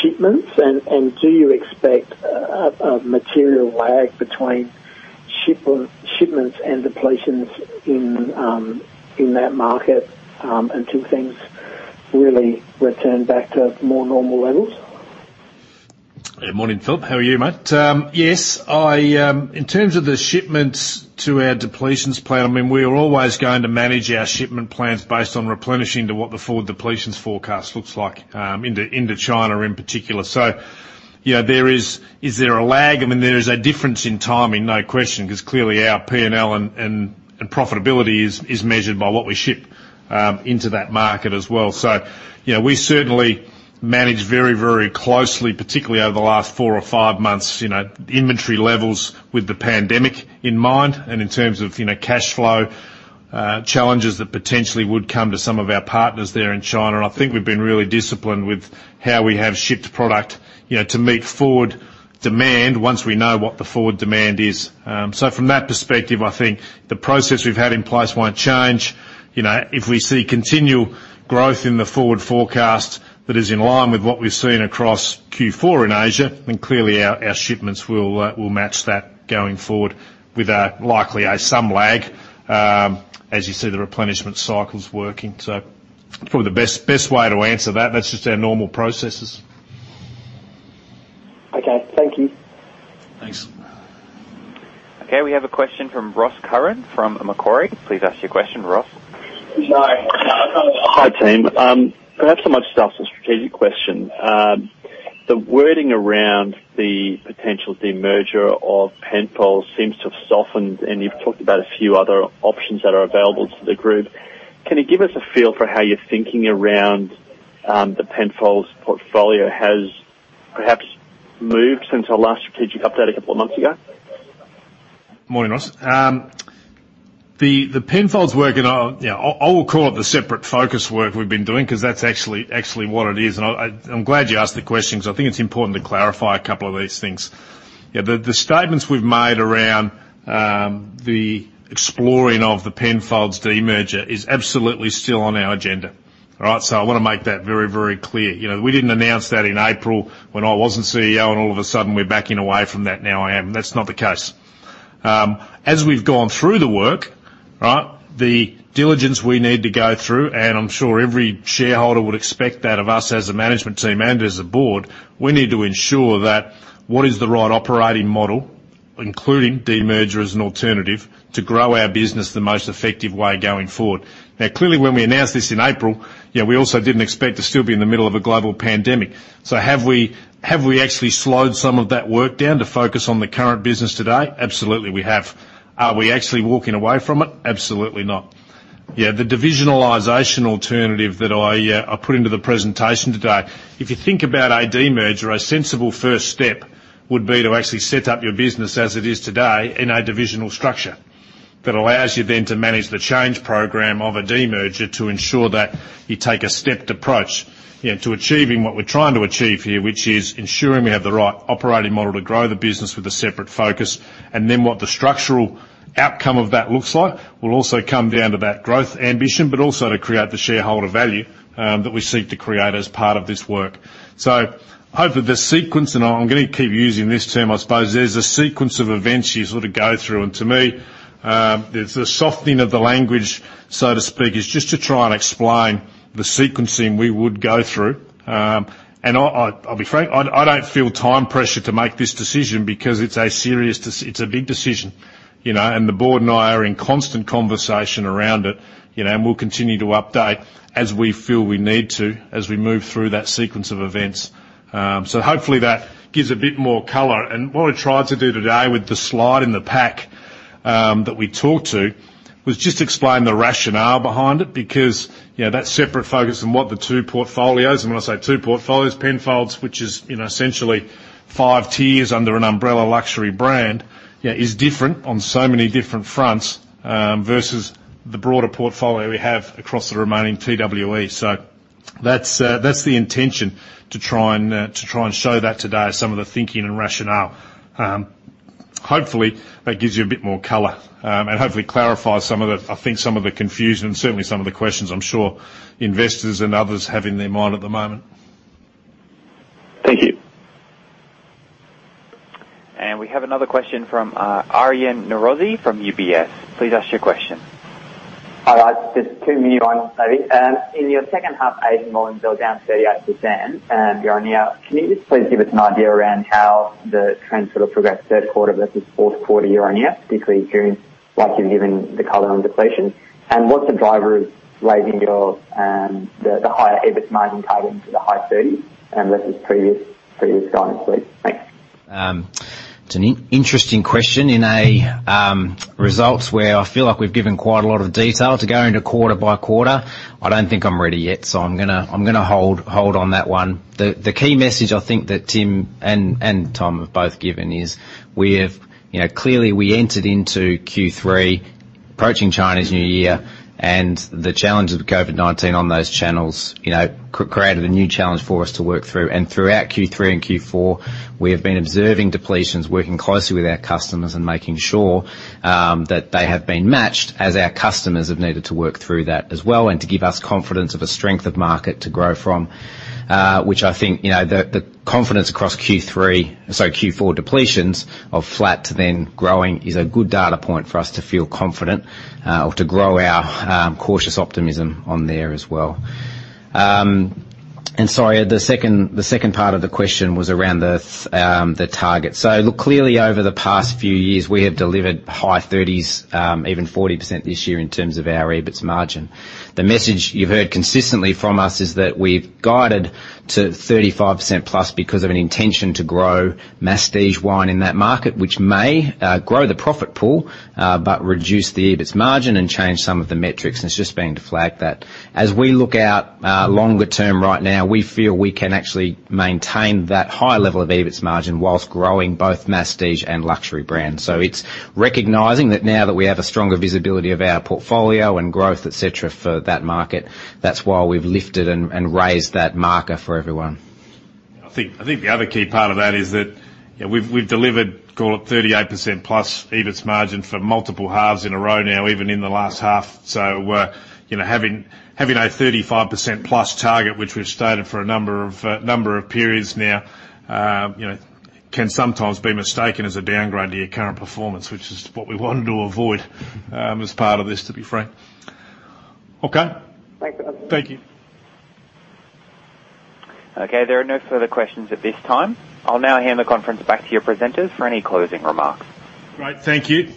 [SPEAKER 16] shipments? And do you expect a material lag between shipments and depletions in that market until things really return back to more normal levels?
[SPEAKER 2] Good morning, Philip. How are you, Matt? Yes. In terms of the shipments to our depletions plan, I mean, we are always going to manage our shipment plans based on replenishing to what the full depletions forecast looks like into China in particular. So is there a lag? I mean, there is a difference in timing, no question, because clearly our P&L and profitability is measured by what we ship into that market as well. So we certainly manage very, very closely, particularly over the last four or five months, inventory levels with the pandemic in mind and in terms of cash flow challenges that potentially would come to some of our partners there in China. And I think we've been really disciplined with how we have shipped product to meet forward demand once we know what the forward demand is. So from that perspective, I think the process we've had in place won't change. If we see continual growth in the forward forecast that is in line with what we've seen across Q4 in Asia, then clearly our shipments will match that going forward with likely some lag as you see the replenishment cycles working. So it's probably the best way to answer that. That's just our normal processes.
[SPEAKER 16] Okay. Thank you.
[SPEAKER 2] Thanks.
[SPEAKER 1] Okay. We have a question from Ross Curran from Macquarie. Please ask your question, Ross.
[SPEAKER 17] Hi, Tim. Perhaps a much softer strategic question. The wording around the potential demerger of Penfolds seems to have softened. And you've talked about a few other options that are available to the group. Can you give us a feel for how you're thinking around the Penfolds portfolio has perhaps moved since our last strategic update a couple of months ago?
[SPEAKER 2] Morning, Ross. The Penfolds work, and I will call it the separate focus work we've been doing because that's actually what it is. And I'm glad you asked the question because I think it's important to clarify a couple of these things. The statements we've made around the exploring of the Penfolds demerger is absolutely still on our agenda. All right? So I want to make that very, very clear. We didn't announce that in April when I wasn't CEO, and all of a sudden, we're backing away from that. Now I am. That's not the case. As we've gone through the work, the diligence we need to go through, and I'm sure every shareholder would expect that of us as a management team and as a board, we need to ensure that what is the right operating model, including demerger as an alternative, to grow our business the most effective way going forward. Now, clearly, when we announced this in April, we also didn't expect to still be in the middle of a global pandemic. So have we actually slowed some of that work down to focus on the current business today? Absolutely, we have. Are we actually walking away from it? Absolutely not. Yeah. The divisionalization alternative that I put into the presentation today, if you think about a demerger, a sensible first step would be to actually set up your business as it is today in a divisional structure that allows you then to manage the change program of a demerger to ensure that you take a stepped approach to achieving what we're trying to achieve here, which is ensuring we have the right operating model to grow the business with a separate focus. And then what the structural outcome of that looks like will also come down to that growth ambition, but also to create the shareholder value that we seek to create as part of this work. So hopefully, the sequence, and I'm going to keep using this term, I suppose, there's a sequence of events you sort of go through. To me, it's a softening of the language, so to speak, is just to try and explain the sequencing we would go through. I'll be frank. I don't feel time pressure to make this decision because it's a serious, it's a big decision. The board and I are in constant conversation around it. We'll continue to update as we feel we need to as we move through that sequence of events, so hopefully, that gives a bit more color. What I tried to do today with the slide in the pack that we talked to was just explain the rationale behind it because that separate focus and what the two portfolios, and when I say two portfolios, Penfolds, which is essentially five tiers under an umbrella luxury brand, is different on so many different fronts versus the broader portfolio we have across the remaining TWE. So that's the intention to try and show that today, some of the thinking and rationale. Hopefully, that gives you a bit more color and hopefully clarifies some of the—I think some of the confusion and certainly some of the questions I'm sure investors and others have in their mind at the moment.
[SPEAKER 1] Thank you. And we have another question from Aryan Norozi from UBS. Please ask your question.
[SPEAKER 18] Hi, guys. Just two-minute ones, maybe. In your second half, Asian volume fell down 38% year on year. Can you just please give us an idea around how the trend sort of progressed third quarter versus fourth quarter year on year, particularly June, like you've given the color and depletions? And what's the driver of raising the higher EBIT margin target into the high 30s versus previous guidance, please? Thanks.
[SPEAKER 3] It's an interesting question in results where I feel like we've given quite a lot of detail to go into quarter by quarter. I don't think I'm ready yet. So I'm going to hold on that one. The key message I think that Tim and Tom have both given is clearly we entered into Q3, approaching Chinese New Year, and the challenges with COVID-19 on those channels created a new challenge for us to work through. And throughout Q3 and Q4, we have been observing depletions, working closely with our customers and making sure that they have been matched as our customers have needed to work through that as well and to give us confidence of a strength of market to grow from, which I think the confidence across Q4 depletions of flat to then growing is a good data point for us to feel confident or to grow our cautious optimism on there as well. And sorry, the second part of the question was around the target. So clearly over the past few years, we have delivered high 30s, even 40% this year in terms of our EBITS margin. The message you've heard consistently from us is that we've guided to 35% plus because of an intention to grow masstige wine in that market, which may grow the profit pool but reduce the EBITS margin and change some of the metrics. And it's just been to flag that. As we look out longer term right now, we feel we can actually maintain that high level of EBITS margin whilst growing both masstige and luxury brands. So it's recognising that now that we have a stronger visibility of our portfolio and growth, etc., for that market, that's why we've lifted and raised that margin for everyone.
[SPEAKER 4] I think the other key part of that is that we've delivered, call it 38% plus EBITS margin for multiple halves in a row now, even in the last half. So having a 35% plus target, which we've stated for a number of periods now, can sometimes be mistaken as a downgrade to your current performance, which is what we wanted to avoid as part of this, to be frank.
[SPEAKER 18] Okay. Thank you.
[SPEAKER 1] Okay. There are no further questions at this time. I'll now hand the conference back to your presenters for any closing remarks.
[SPEAKER 2] Great. Thank you.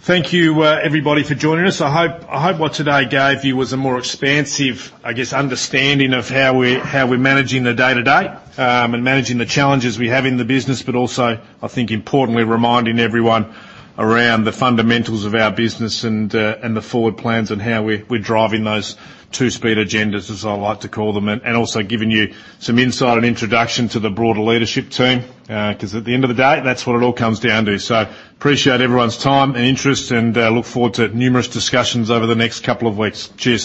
[SPEAKER 2] Thank you, everybody, for joining us. I hope what today gave you was a more expansive, I guess, understanding of how we're managing the day-to-day and managing the challenges we have in the business, but also, I think, importantly, reminding everyone around the fundamentals of our business and the forward plans and how we're driving those two-speed agendas, as I like to call them, and also giving you some insight and introduction to the broader leadership team because at the end of the day, that's what it all comes down to. So appreciate everyone's time and interest and look forward to numerous discussions over the next couple of weeks. Cheers.